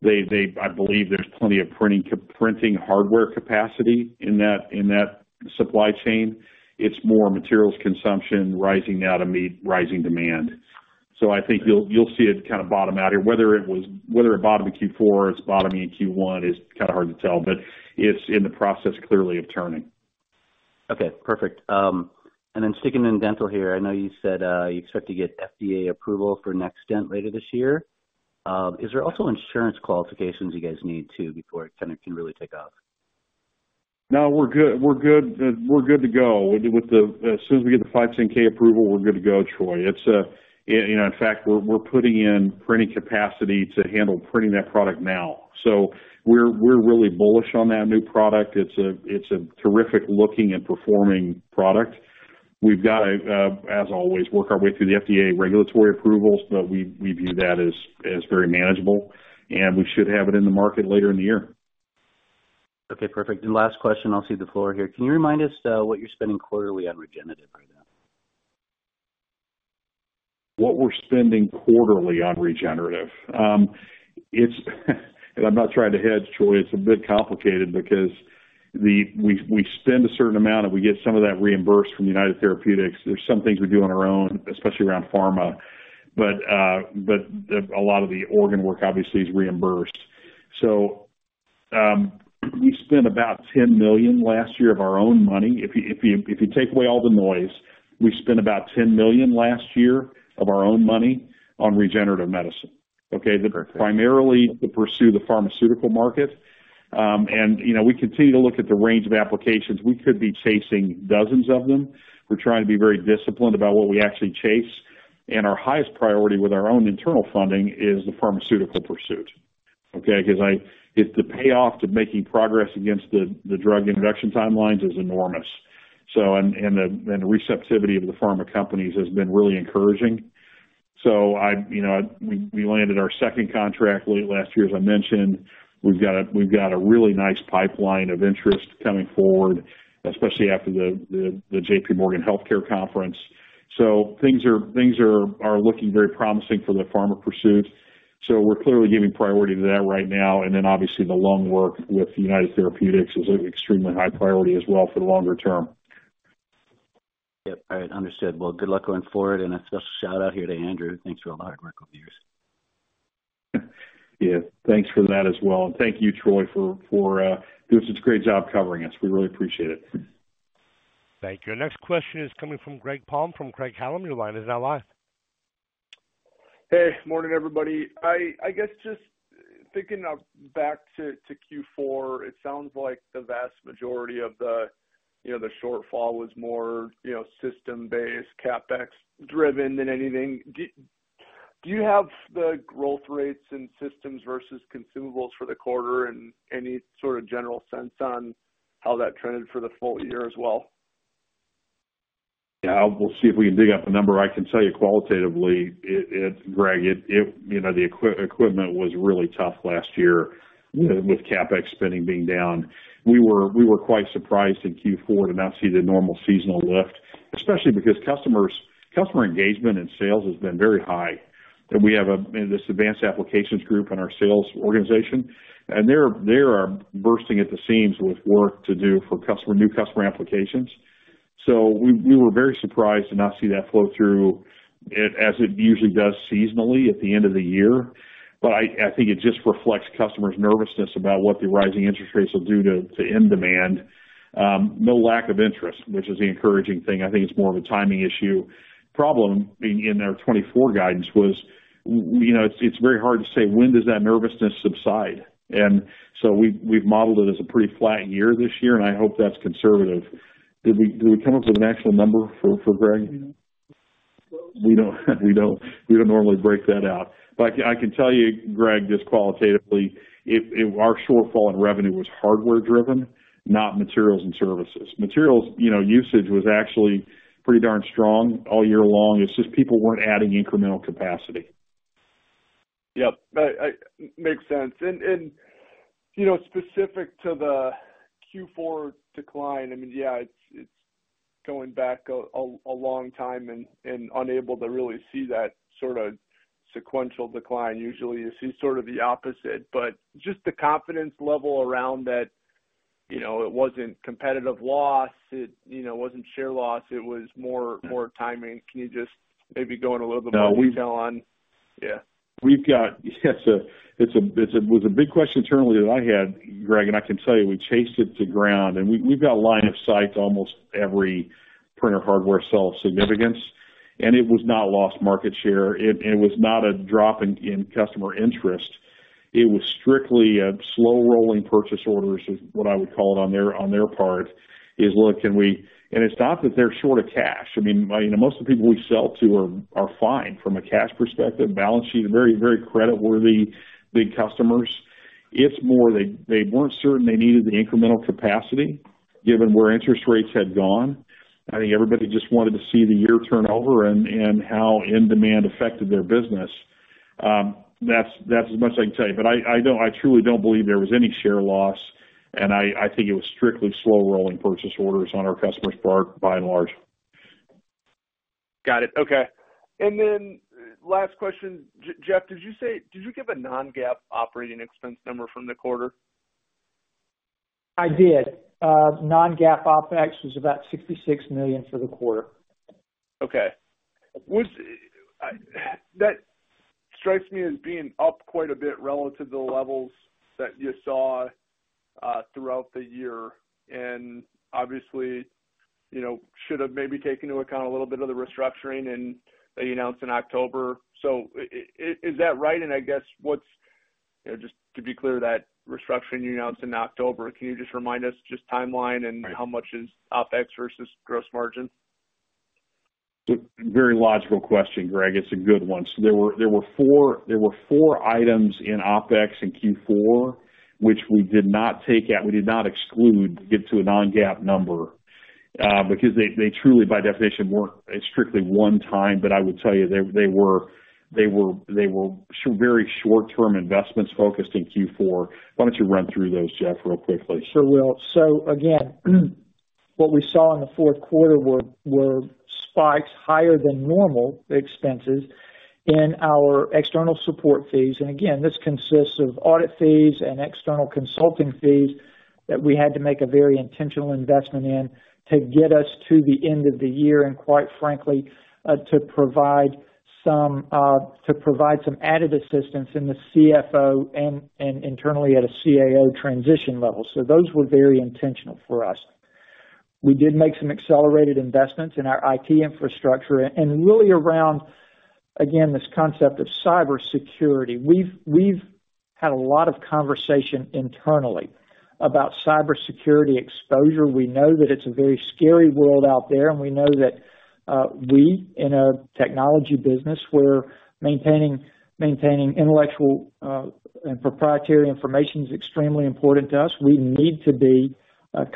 S3: I believe there's plenty of printing hardware capacity in that supply chain. It's more materials consumption rising now to meet rising demand. So, I think you'll, you'll see it kind of bottom out here. Whether it was, whether it bottomed in Q4 or it's bottoming in Q1, is kind of hard to tell, but it's in the process, clearly, of turning.
S5: Okay, perfect. And then sticking in dental here, I know you said you expect to get FDA approval for NextDent later this year. Is there also insurance qualifications you guys need, too, before it kind of can really take off?
S3: No, we're good. We're good. We're good to go with the, as soon as we get the 510(k) approval, we're good to go, Troy. It's, you know, in fact, we're, we're putting in printing capacity to handle printing that product now. So we're, we're really bullish on that new product. It's a, it's a terrific looking and performing product. We've got to, as always, work our way through the FDA regulatory approvals, but we, we view that as, as very manageable, and we should have it in the market later in the year.
S5: Okay, perfect. And last question, I'll cede the floor here: Can you remind us, what you're spending quarterly on regenerative right now?
S3: What we're spending quarterly on regenerative? It's, and I'm not trying to hedge, Troy, it's a bit complicated because we spend a certain amount, and we get some of that reimbursed from United Therapeutics. There's some things we do on our own, especially around pharma, but a lot of the organ work obviously is reimbursed. So, we spent about $10 million last year of our own money. If you take away all the noise, we spent about $10 million last year of our own money on regenerative medicine, okay?
S5: Perfect.
S3: Primarily to pursue the pharmaceutical market. You know, we continue to look at the range of applications. We could be chasing dozens of them. We're trying to be very disciplined about what we actually chase, and our highest priority with our own internal funding is the pharmaceutical pursuit, okay? Because it's the payoff to making progress against the drug induction timelines is enormous. So, the receptivity of the pharma companies has been really encouraging. So, you know, we landed our second contract late last year, as I mentioned. We've got a really nice pipeline of interest coming forward, especially after the JP Morgan Healthcare Conference. So things are looking very promising for the pharma pursuit. So we're clearly giving priority to that right now, and then obviously the lung work with United Therapeutics is an extremely high priority as well for the longer term.
S4: All right, understood. Well, good luck going forward, and a special shout-out here to Andrew. Thanks for a lot of work over the years.
S3: Yeah, thanks for that as well, and thank you, Troy, for doing such a great job covering us. We really appreciate it.
S1: Thank you. Our next question is coming from Greg Palm from Craig-Hallum. Your line is now live.
S6: Hey, morning, everybody. I guess just thinking back to Q4, it sounds like the vast majority of the, you know, the shortfall was more, you know, system-based, CapEx driven than anything. Do you have the growth rates in systems versus consumables for the quarter, and any sort of general sense on how that trended for the full year as well?
S3: Yeah, we'll see if we can dig up a number. I can tell you qualitatively, Greg, you know, the equipment was really tough last year, with CapEx spending being down. We were quite surprised in Q4 to not see the normal seasonal lift, especially because customer engagement and sales has been very high, and we have this advanced applications group in our sales organization, and they're bursting at the seams with work to do for new customer applications. So we were very surprised to not see that flow through as it usually does seasonally at the end of the year. But I think it just reflects customers' nervousness about what the rising interest rates will do to end demand. No lack of interest, which is the encouraging thing. I think it's more of a timing issue. Problem in our 2024 guidance was, you know, it's very hard to say, when does that nervousness subside? And so we've modeled it as a pretty flat year this year, and I hope that's conservative. Did we come up with an actual number for Greg? We don't normally break that out. But I can tell you, Greg, just qualitatively, it, our shortfall in revenue was hardware driven, not materials and services. Materials, you know, usage was actually pretty darn strong all year long. It's just people weren't adding incremental capacity.
S6: Yep. Makes sense. And, you know, specific to the Q4 decline, I mean, yeah, it's going back a long time and unable to really see that sort of sequential decline. Usually, you see sort of the opposite, but just the confidence level around that, you know, it wasn't competitive loss, you know, wasn't share loss, it was more timing. Can you just maybe go in a little bit more detail on.
S3: It was a big question internally that I had, Greg, and I can tell you, we chased it to ground, and we've got line of sight to almost every printer hardware sale of significance, and it was not lost market share. It was not a drop in customer interest. It was strictly a slow-rolling purchase orders, is what I would call it, on their part, is: Look, can we, and it's not that they're short of cash. I mean, you know, most of the people we sell to are fine from a cash perspective, balance sheet, very, very creditworthy, big customers. It's more they weren't certain they needed the incremental capacity, given where interest rates had gone. I think everybody just wanted to see the year turn over and how end demand affected their business. That's as much as I can tell you, but I don't, I truly don't believe there was any share loss, and I think it was strictly slow-rolling purchase orders on our customers' part, by and large.
S6: Got it. Okay. And then last question. Jeff, did you say, did you give a non-GAAP operating expense number from the quarter?
S4: I did. Non-GAAP OpEx was about $66 million for the quarter.
S6: Okay. That strikes me as being up quite a bit relative to the levels that you saw throughout the year, and obviously, you know, should have maybe taken into account a little bit of the restructuring and that you announced in October. So is that right? And I guess, what's, you know, just to be clear, that restructuring you announced in October, can you just remind us just timeline, and how much is OpEx versus gross margin?
S3: Very logical question, Greg. It's a good one. So there were, there were four, there were four items in OpEx in Q4, which we did not take out, we did not exclude, to get to a non-GAAP number, because they, they truly, by definition, weren't strictly one time. But I would tell you, they, they were, they were very short-term investments focused in Q4. Why don't you run through those, Jeff, real quickly?
S4: Sure will. So again, what we saw in the fourth quarter were spikes higher than normal expenses in our external support fees. And again, this consists of audit fees and external consulting fees that we had to make a very intentional investment in to get us to the end of the year, and quite frankly, to provide some added assistance in the CFO and internally at a CAO transition level. So those were very intentional for us. We did make some accelerated investments in our IT infrastructure, and really around, again, this concept of cybersecurity. We've had a lot of conversation internally about cybersecurity exposure. We know that it's a very scary world out there, and we know that, we, in a technology business, where maintaining intellectual and proprietary information is extremely important to us, we need to be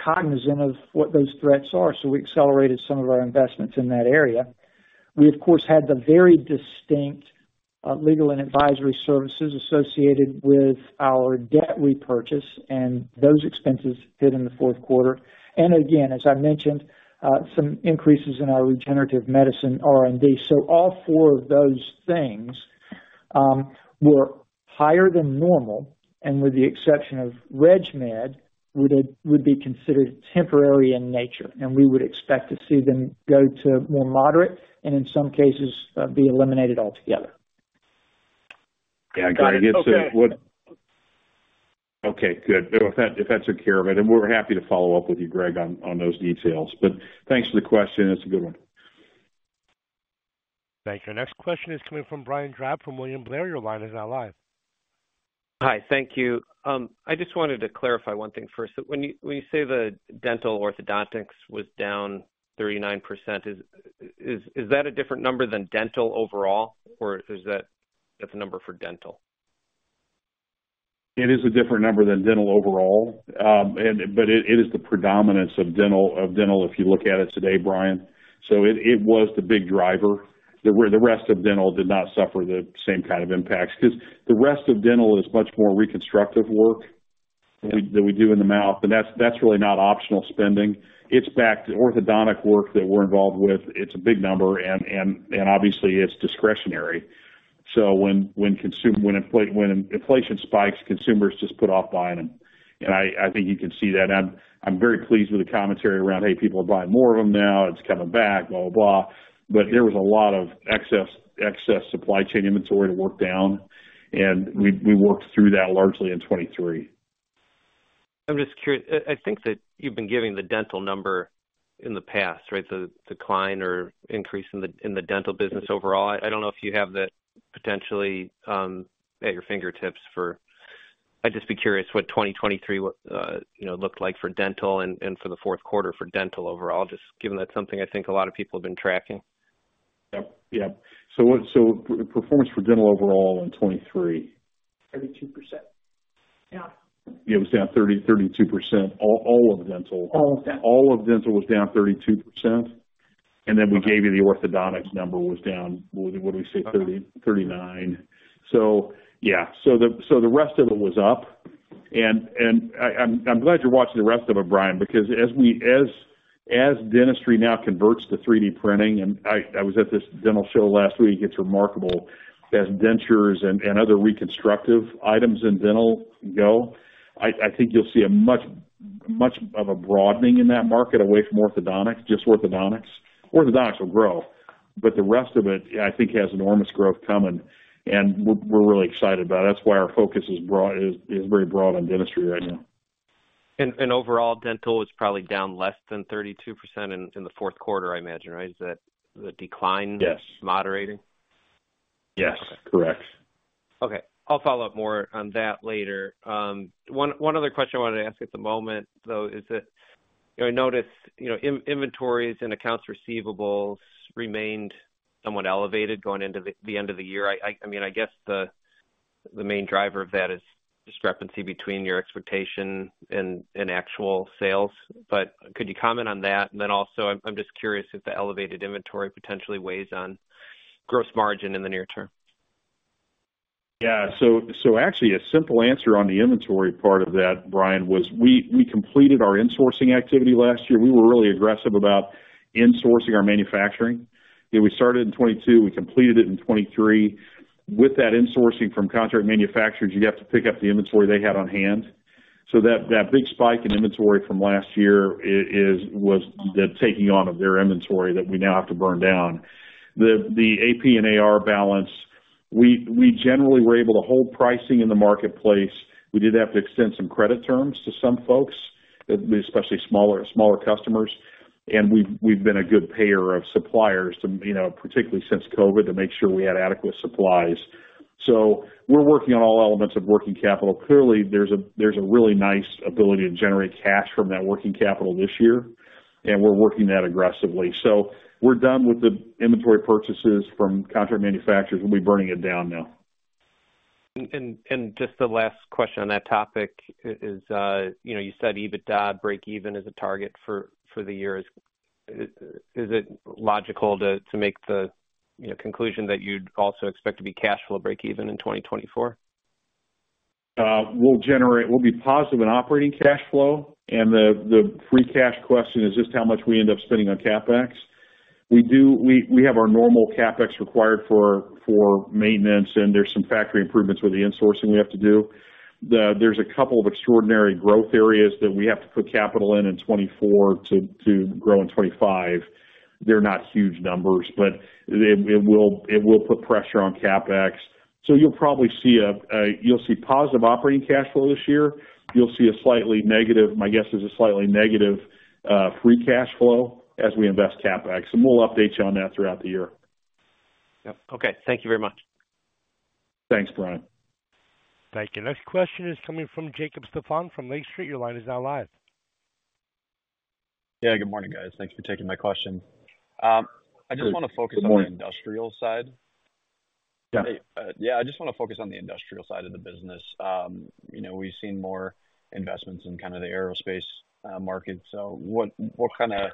S4: cognizant of what those threats are. So we accelerated some of our investments in that area. We, of course, had the very distinct legal and advisory services associated with our debt repurchase, and those expenses hit in the fourth quarter. And again, as I mentioned, some increases in our regenerative medicine, R&D. So all four of those things were higher than normal, and with the exception of RegMed, would be considered temporary in nature, and we would expect to see them go to more moderate, and in some cases, be eliminated altogether.
S6: Okay.
S3: Okay, good. Well, if that, if that took care of it, and we're happy to follow up with you, Greg, on, on those details. But thanks for the question. It's a good one.
S1: Thank you. Next question is coming from Brian Drab from William Blair. Your line is now live.
S7: Hi, thank you. I just wanted to clarify one thing first. When you say the dental orthodontics was down 39%, is that a different number than dental overall, or is that, that's a number for dental?
S3: It is a different number than dental overall. But it is the predominance of dental if you look at it today, Brian. So it was the big driver. The rest of dental did not suffer the same kind of impacts, 'cause the rest of dental is much more reconstructive work that we do in the mouth, and that's really not optional spending. It's back to orthodontic work that we're involved with. It's a big number, and obviously it's discretionary. So when inflation spikes, consumers just put off buying them. And I think you can see that. I'm very pleased with the commentary around, "Hey, people are buying more of them now, it's coming back," blah, blah, blah. But there was a lot of excess supply chain inventory to work down, and we worked through that largely in 2023.
S7: I'm just curious. I think that you've been giving the dental number in the past, right? The decline or increase in the dental business overall. I don't know if you have that potentially at your fingertips for. I'd just be curious what 2023 looked like for dental and for the fourth quarter for dental overall, just given that's something I think a lot of people have been tracking.
S3: Yep. Yeah. So performance for dental overall in 2023?
S7: 32%. Yeah.
S3: It was down 32%, all, all of dental?
S7: All of dental.
S3: All of dental was down 32%, and then we gave you the orthodontics number was down, what did we say? 39. So yeah. So the, so the rest of it was up. And I'm glad you're watching the rest of it, Brian, because as dentistry now converts to 3D printing, and I was at this dental show last week, it's remarkable. As dentures and other reconstructive items in dental go, I think you'll see a much, much of a broadening in that market away from orthodontics, just orthodontics. Orthodontics will grow, but the rest of it, I think, has enormous growth coming, and we're really excited about it. That's why our focus is broad, is very broad on dentistry right now.
S7: And overall dental is probably down less than 32% in the fourth quarter, I imagine, right? Is that the decline-
S3: Yes.
S7: Moderating?
S3: Yes, correct.
S7: Okay. I'll follow up more on that later. One other question I wanted to ask at the moment, though, is that, you know, I noticed, you know, inventories and accounts receivables remained somewhat elevated going into the end of the year. I mean, I guess the main driver of that is discrepancy between your expectation and actual sales. But could you comment on that? And then also, I'm just curious if the elevated inventory potentially weighs on gross margin in the near term.
S3: Yeah. So actually a simple answer on the inventory part of that, Brian, was we completed our insourcing activity last year. We were really aggressive about insourcing our manufacturing. You know, we started in 2022, we completed it in 2023. With that insourcing from contract manufacturers, you have to pick up the inventory they had on hand. So that big spike in inventory from last year is was the taking on of their inventory that we now have to burn down. The AP and AR balance, we generally were able to hold pricing in the marketplace. We did have to extend some credit terms to some folks, especially smaller customers. And we've been a good payer of suppliers, you know, particularly since COVID, to make sure we had adequate supplies. So we're working on all elements of working capital. Clearly, there's a really nice ability to generate cash from that working capital this year, and we're working that aggressively. So we're done with the inventory purchases from contract manufacturers. We'll be burning it down now.
S7: Just the last question on that topic is, you know, you said EBITDA breakeven is a target for the year. Is it logical to make the, you know, conclusion that you'd also expect to be cash flow breakeven in 2024?
S3: We'll be positive in operating cash flow, and the free cash question is just how much we end up spending on CapEx. We have our normal CapEx required for maintenance, and there's some factory improvements with the insourcing we have to do. There's a couple of extraordinary growth areas that we have to put capital in, in 2024 to grow in 2025. They're not huge numbers, but it will put pressure on CapEx. So you'll probably see positive operating cash flow this year. You'll see a slightly negative, my guess is a slightly negative free cash flow as we invest CapEx, and we'll update you on that throughout the year.
S7: Yep. Okay. Thank you very much.
S3: Thanks, Brian.
S1: Thank you. Next question is coming from Jacob Stephan from Lake Street. Your line is now live.
S8: Yeah, good morning, guys. Thanks for taking my question. I just want to focus.
S3: Good morning.
S8: On the industrial side.
S3: Yeah.
S8: Yeah, I just want to focus on the industrial side of the business. You know, we've seen more investments in kind of the aerospace market. So what kind of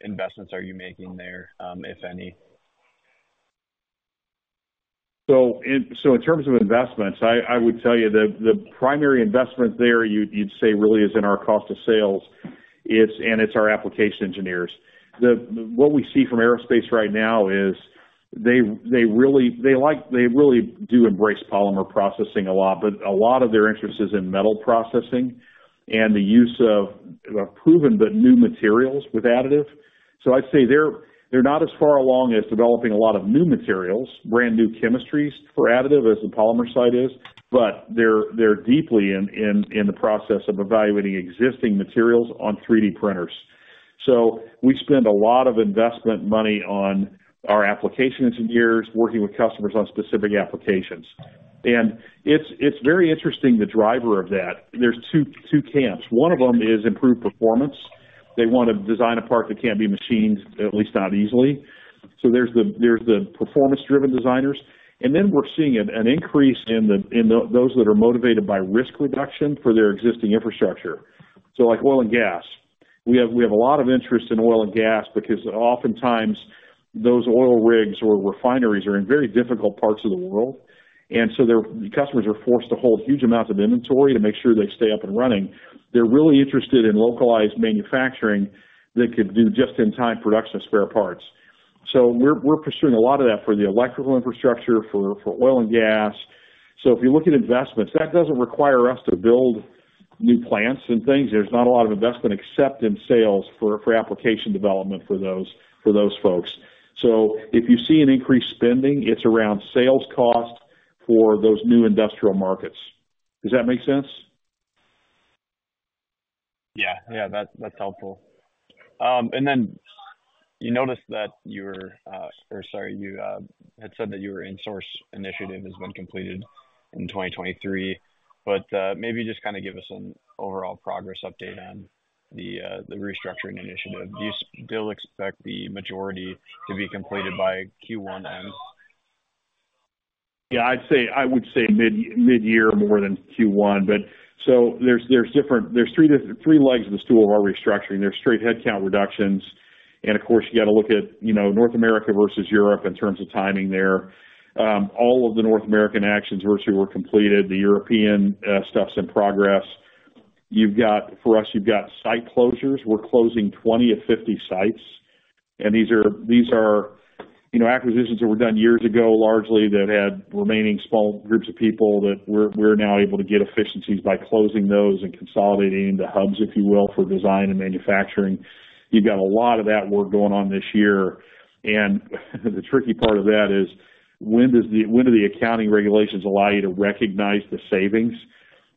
S8: investments are you making there, if any?
S3: So in terms of investments, I would tell you the primary investment there, you'd say, really is in our cost of sales. It's our application engineers. What we see from aerospace right now is they really embrace polymer processing a lot, but a lot of their interest is in metal processing and the use of proven but new materials with additive. So I'd say they're not as far along as developing a lot of new materials, brand new chemistries for additive, as the polymer side is, but they're deeply in the process of evaluating existing materials on 3D printers. So we spend a lot of investment money on our application engineers, working with customers on specific applications. And it's very interesting, the driver of that. There's two camps. One of them is improved performance. They want to design a part that can't be machined, at least not easily. So there's the performance driven designers, and then we're seeing an increase in those that are motivated by risk reduction for their existing infrastructure. So, like oil and gas, we have a lot of interest in oil and gas because oftentimes those oil rigs or refineries are in very difficult parts of the world, and so their customers are forced to hold huge amounts of inventory to make sure they stay up and running. They're really interested in localized manufacturing that could do just-in-time production of spare parts. So we're pursuing a lot of that for the electrical infrastructure, for oil and gas. So if you look at investments, that doesn't require us to build new plants and things. There's not a lot of investment except in sales for application development for those folks. So if you see an increased spending, it's around sales costs for those new industrial markets. Does that make sense?
S8: Yeah. Yeah, that's, that's helpful. And then you had said that your in-source initiative has been completed in 2023, but maybe just kind of give us an overall progress update on the restructuring initiative. Do you still expect the majority to be completed by Q1 then?
S3: Yeah, I'd say mid-year more than Q1. But there's three legs of the stool of our restructuring. There's straight headcount reductions, and of course, you know, North America versus Europe in terms of timing there. All of the North American actions virtually were completed. The European stuff's in progress. You've got site closures for us. We're closing 20 of 50 sites, and these are, you know, acquisitions that were done years ago, largely that had remaining small groups of people that we're now able to get efficiencies by closing those and consolidating the hubs, if you will, for design and manufacturing. You've got a lot of that work going on this year, and the tricky part of that is, when do the accounting regulations allow you to recognize the savings?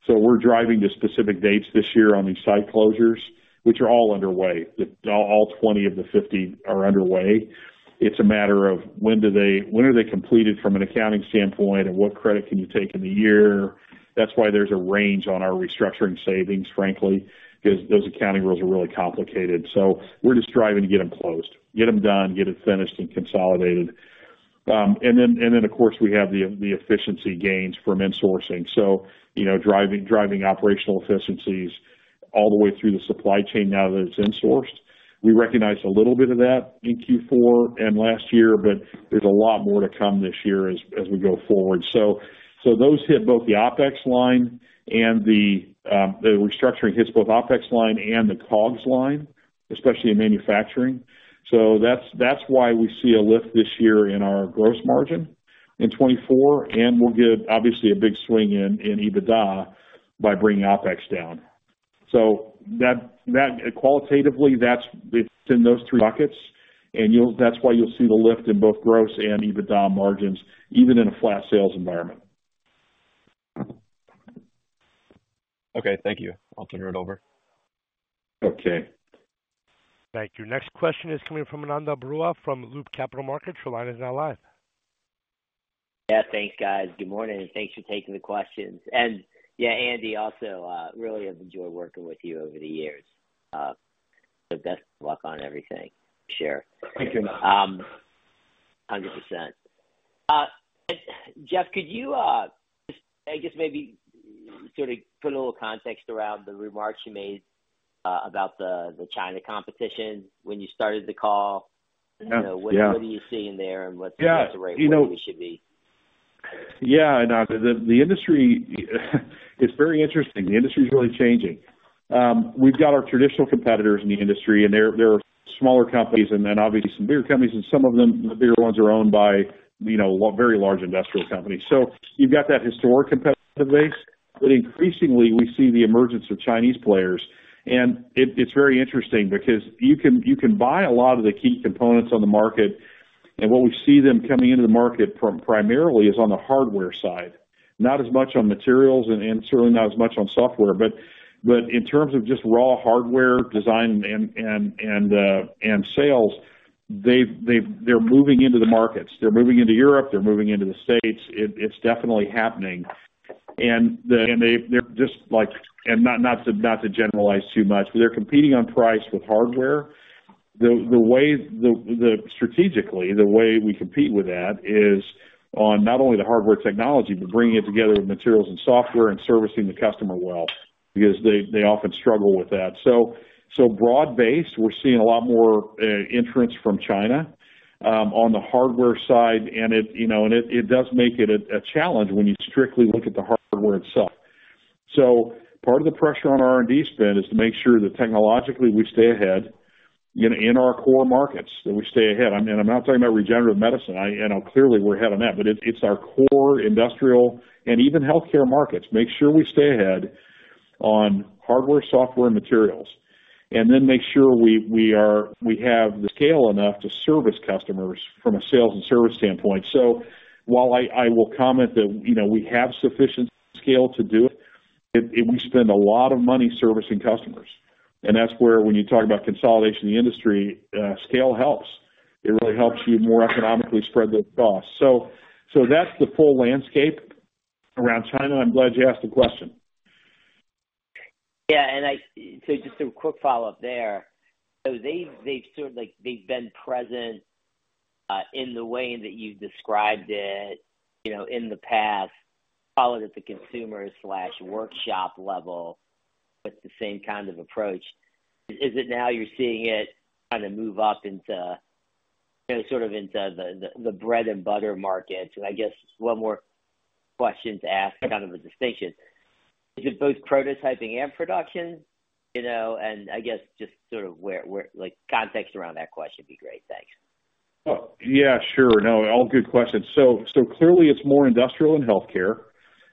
S3: So we're driving to specific dates this year on these site closures, which are all underway. The twenty of the fifty are underway. It's a matter of when are they completed from an accounting standpoint, and what credit can you take in the year? That's why there's a range on our restructuring savings, frankly, because those accounting rules are really complicated. So we're just striving to get them closed, get them done, get it finished and consolidated. And then, of course, we have the efficiency gains from insourcing. So, you know, driving operational efficiencies all the way through the supply chain now that it's insourced. We recognize a little bit of that in Q4 and last year, but there's a lot more to come this year as we go forward. So those hit both the OpEx line and the restructuring hits both OpEx line and the COGS line, especially in manufacturing. So that's why we see a lift this year in our gross margin in 2024, and we'll get obviously a big swing in EBITDA by bringing OpEx down. So that qualitatively, that's it's in those three buckets, and you'll, that's why you'll see the lift in both gross and EBITDA margins, even in a flat sales environment.
S8: Okay, thank you. I'll turn it over.
S3: Okay.
S1: Thank you. Next question is coming from Ananda Baruah, from Loop Capital Markets. Your line is now live.
S9: Yeah. Thanks, guys. Good morning, and thanks for taking the questions. And yeah, Andy, also, really have enjoyed working with you over the years. So best of luck on everything. Sure.
S3: Thank you.
S9: 100%. Jeff, could you just, I guess, maybe sort of put a little context around the remarks you made about the China competition when you started the call?
S3: Yeah.
S9: You know, what are you seeing there, and what is the right way we should be?
S3: Yeah, Ananda, the industry, it's very interesting. The industry is really changing. We've got our traditional competitors in the industry, and they're smaller companies and then obviously some bigger companies, and some of them, the bigger ones, are owned by, you know, very large industrial companies. So you've got that historic competitive base, but increasingly we see the emergence of Chinese players, and it's very interesting because you can buy a lot of the key components on the market, and what we see them coming into the market from primarily is on the hardware side, not as much on materials and certainly not as much on software. But in terms of just raw hardware design and sales, they're moving into the markets. They're moving into Europe, they're moving into the States. It's definitely happening. And they, they're just like. And not to generalize too much, but they're competing on price with hardware. The way, strategically, the way we compete with that is on not only the hardware technology, but bringing it together with materials and software and servicing the customer well, because they often struggle with that. So broad-based, we're seeing a lot more entrants from China on the hardware side, and it, you know, it does make it a challenge when you strictly look at the hardware itself. So part of the pressure on R&D spend is to make sure that technologically, we stay ahead in our core markets, that we stay ahead. I mean, I'm not talking about regenerative medicine. I, you know, clearly we're ahead on that, but it's our core industrial and even healthcare markets. Make sure we stay ahead on hardware, software, and materials, and then make sure we have the scale enough to service customers from a sales and service standpoint. So while I will comment that, you know, we have sufficient scale to do it, we spend a lot of money servicing customers, and that's where when you talk about consolidation in the industry, scale helps. It really helps you more economically spread those costs. So that's the full landscape around China. I'm glad you asked the question.
S9: Yeah, and so just a quick follow-up there. So they've, they've sort of like, they've been present, in the way that you've described it, you know, in the past, followed at the consumer/workshop level with the same kind of approach. Is it now you're seeing it kind of move up into, you know, sort of into the, the, the bread and butter markets? And I guess one more question to ask, kind of a distinction: Is it both prototyping and production? You know, and I guess just sort of where, where like, context around that question would be great. Thanks.
S3: Oh, yeah, sure. No, all good questions. So clearly it's more industrial and healthcare,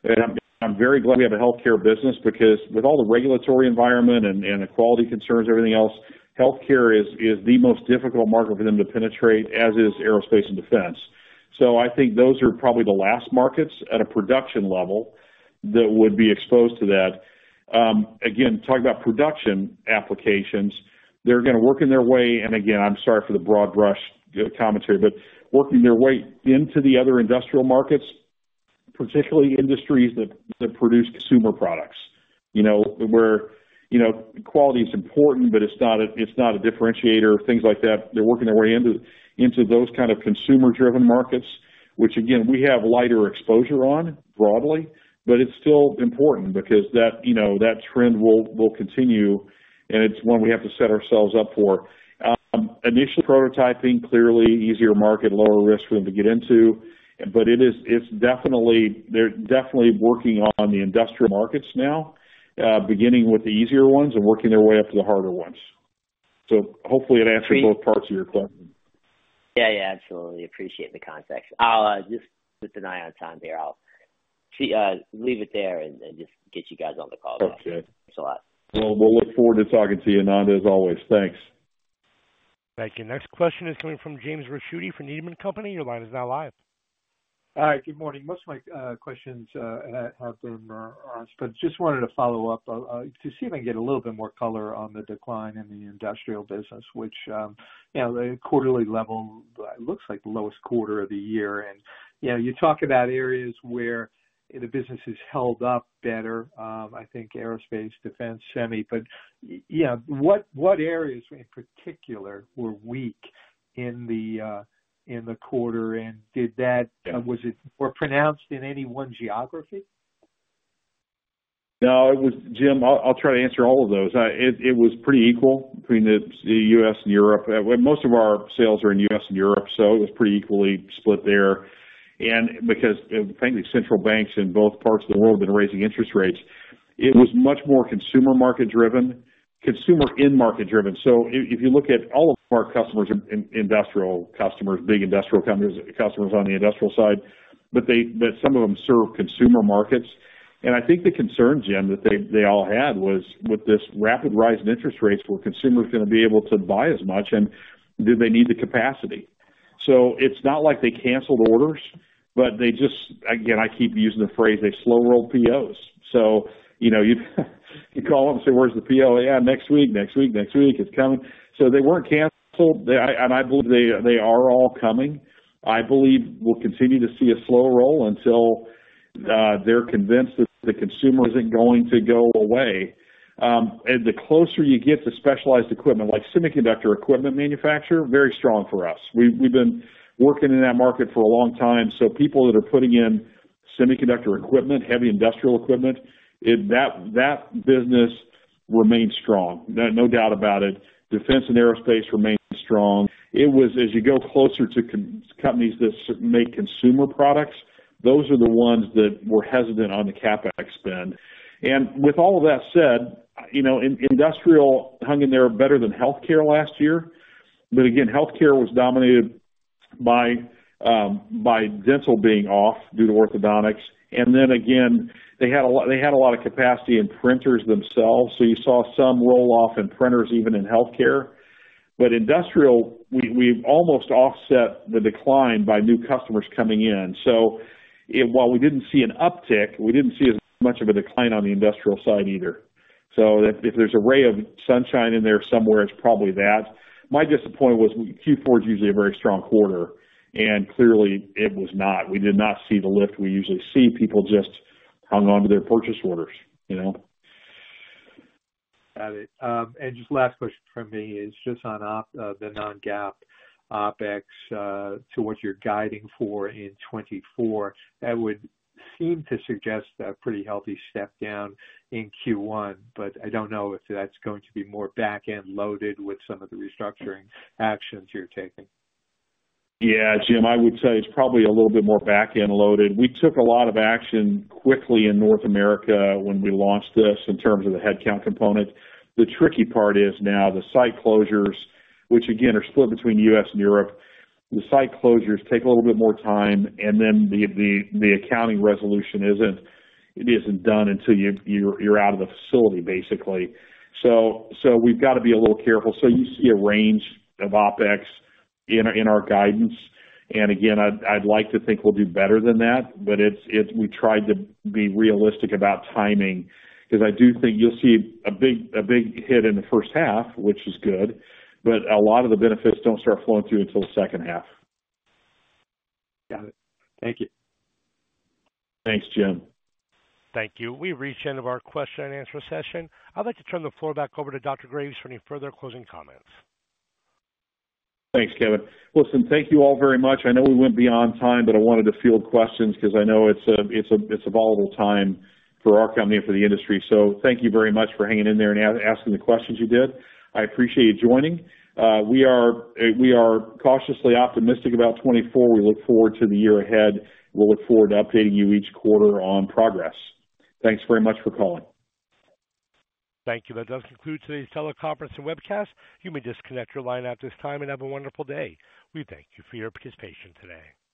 S3: and I'm very glad we have a healthcare business, because with all the regulatory environment and the quality concerns, everything else, healthcare is the most difficult market for them to penetrate, as is aerospace and defense. So I think those are probably the last markets at a production level that would be exposed to that. Again, talking about production applications, they're gonna work in their way, and again, I'm sorry for the broad brush commentary, but working their way into the other industrial markets, particularly industries that produce consumer products, you know, where quality is important, but it's not a differentiator, things like that. They're working their way into those kind of consumer-driven markets, which again, we have lighter exposure on broadly, but it's still important because that, you know, that trend will continue, and it's one we have to set ourselves up for. Initial prototyping, clearly easier market, lower risk for them to get into, but it is, it's definitely, they're definitely working on the industrial markets now, beginning with the easier ones and working their way up to the harder ones. So hopefully that answers both parts of your question.
S9: Yeah. Yeah, absolutely. Appreciate the context. I'll just, with an eye on time here, I'll see, leave it there and, and just get you guys on the call.
S3: Okay.
S9: Thanks a lot.
S3: Well, we'll look forward to talking to you, Ananda, as always. Thanks.
S1: Thank you. Next question is coming from James Ricchiuti for Needham and Company. Your line is now live.
S10: Hi, good morning. Most of my questions have been asked, but just wanted to follow up to see if I can get a little bit more color on the decline in the industrial business, which, you know, the quarterly level, it looks like the lowest quarter of the year. And, you know, you talk about areas where the business has held up better, I think aerospace, defense, semi, but, you know, what, what areas in particular were weak in the, in the quarter? And did that, was it more pronounced in any one geography?
S3: No, it was, Jim, I'll try to answer all of those. It was pretty equal between the U.S. and Europe. Well, most of our sales are in the U.S. and Europe, so it was pretty equally split there. And because, frankly, central banks in both parts of the world have been raising interest rates, it was much more consumer market driven, consumer end market driven. So if you look at all of our customers, industrial customers, big industrial companies, customers on the industrial side, but some of them serve consumer markets. And I think the concern, Jim, that they all had was with this rapid rise in interest rates, were consumers gonna be able to buy as much, and do they need the capacity? So it's not like they canceled orders, but they just, again, I keep using the phrase, they slow-rolled POs. So you know, you call them and say, "Where's the PO?" "Yeah, next week, next week, next week, it's coming." So they weren't canceled, and I believe they are all coming. I believe we'll continue to see a slow roll until they're convinced that the consumer isn't going to go away. And the closer you get to specialized equipment, like semiconductor equipment manufacturer, very strong for us. We've been working in that market for a long time, so people that are putting in semiconductor equipment, heavy industrial equipment, that business remains strong. No doubt about it. Defense and aerospace remains strong. It was as you go closer to companies that make consumer products, those are the ones that were hesitant on the CapEx spend. And with all of that said, you know, industrial hung in there better than healthcare last year. But again, healthcare was dominated by by dental being off due to orthodontics. And then again, they had a lot, they had a lot of capacity in printers themselves, so you saw some roll off in printers, even in healthcare. But industrial, we've almost offset the decline by new customers coming in. So it, while we didn't see an uptick, we didn't see as much of a decline on the industrial side either. So if there's a ray of sunshine in there somewhere, it's probably that. My disappointment was Q4 is usually a very strong quarter, and clearly it was not. We did not see the lift we usually see. People just hung on to their purchase orders, you know?
S10: Got it. And just last question from me is just on the non-GAAP OpEx to what you're guiding for in 2024. That would seem to suggest a pretty healthy step down in Q1, but I don't know if that's going to be more back-end loaded with some of the restructuring actions you're taking.
S3: Yeah, Jim, I would say it's probably a little bit more back-end loaded. We took a lot of action quickly in North America when we launched this, in terms of the headcount component. The tricky part is now the site closures, which again, are split between U.S. and Europe. The site closures take a little bit more time, and then the accounting resolution isn't done until you're out of the facility, basically. So we've got to be a little careful. So you see a range of OpEx in our guidance, and again, I'd like to think we'll do better than that, but we tried to be realistic about timing, because I do think you'll see a big hit in the first half, which is good, but a lot of the benefits don't start flowing through until the second half.
S10: Got it. Thank you.
S3: Thanks, Jim.
S1: Thank you. We've reached the end of our question and answer session. I'd like to turn the floor back over to Dr. Graves for any further closing comments.
S3: Thanks, Kevin. Listen, thank you all very much. I know we went beyond time, but I wanted to field questions because I know it's a volatile time for our company and for the industry. So thank you very much for hanging in there and asking the questions you did. I appreciate you joining. We are cautiously optimistic about 2024. We look forward to the year ahead. We'll look forward to updating you each quarter on progress. Thanks very much for calling.
S1: Thank you. That does conclude today's teleconference and webcast. You may disconnect your line at this time and have a wonderful day. We thank you for your participation today.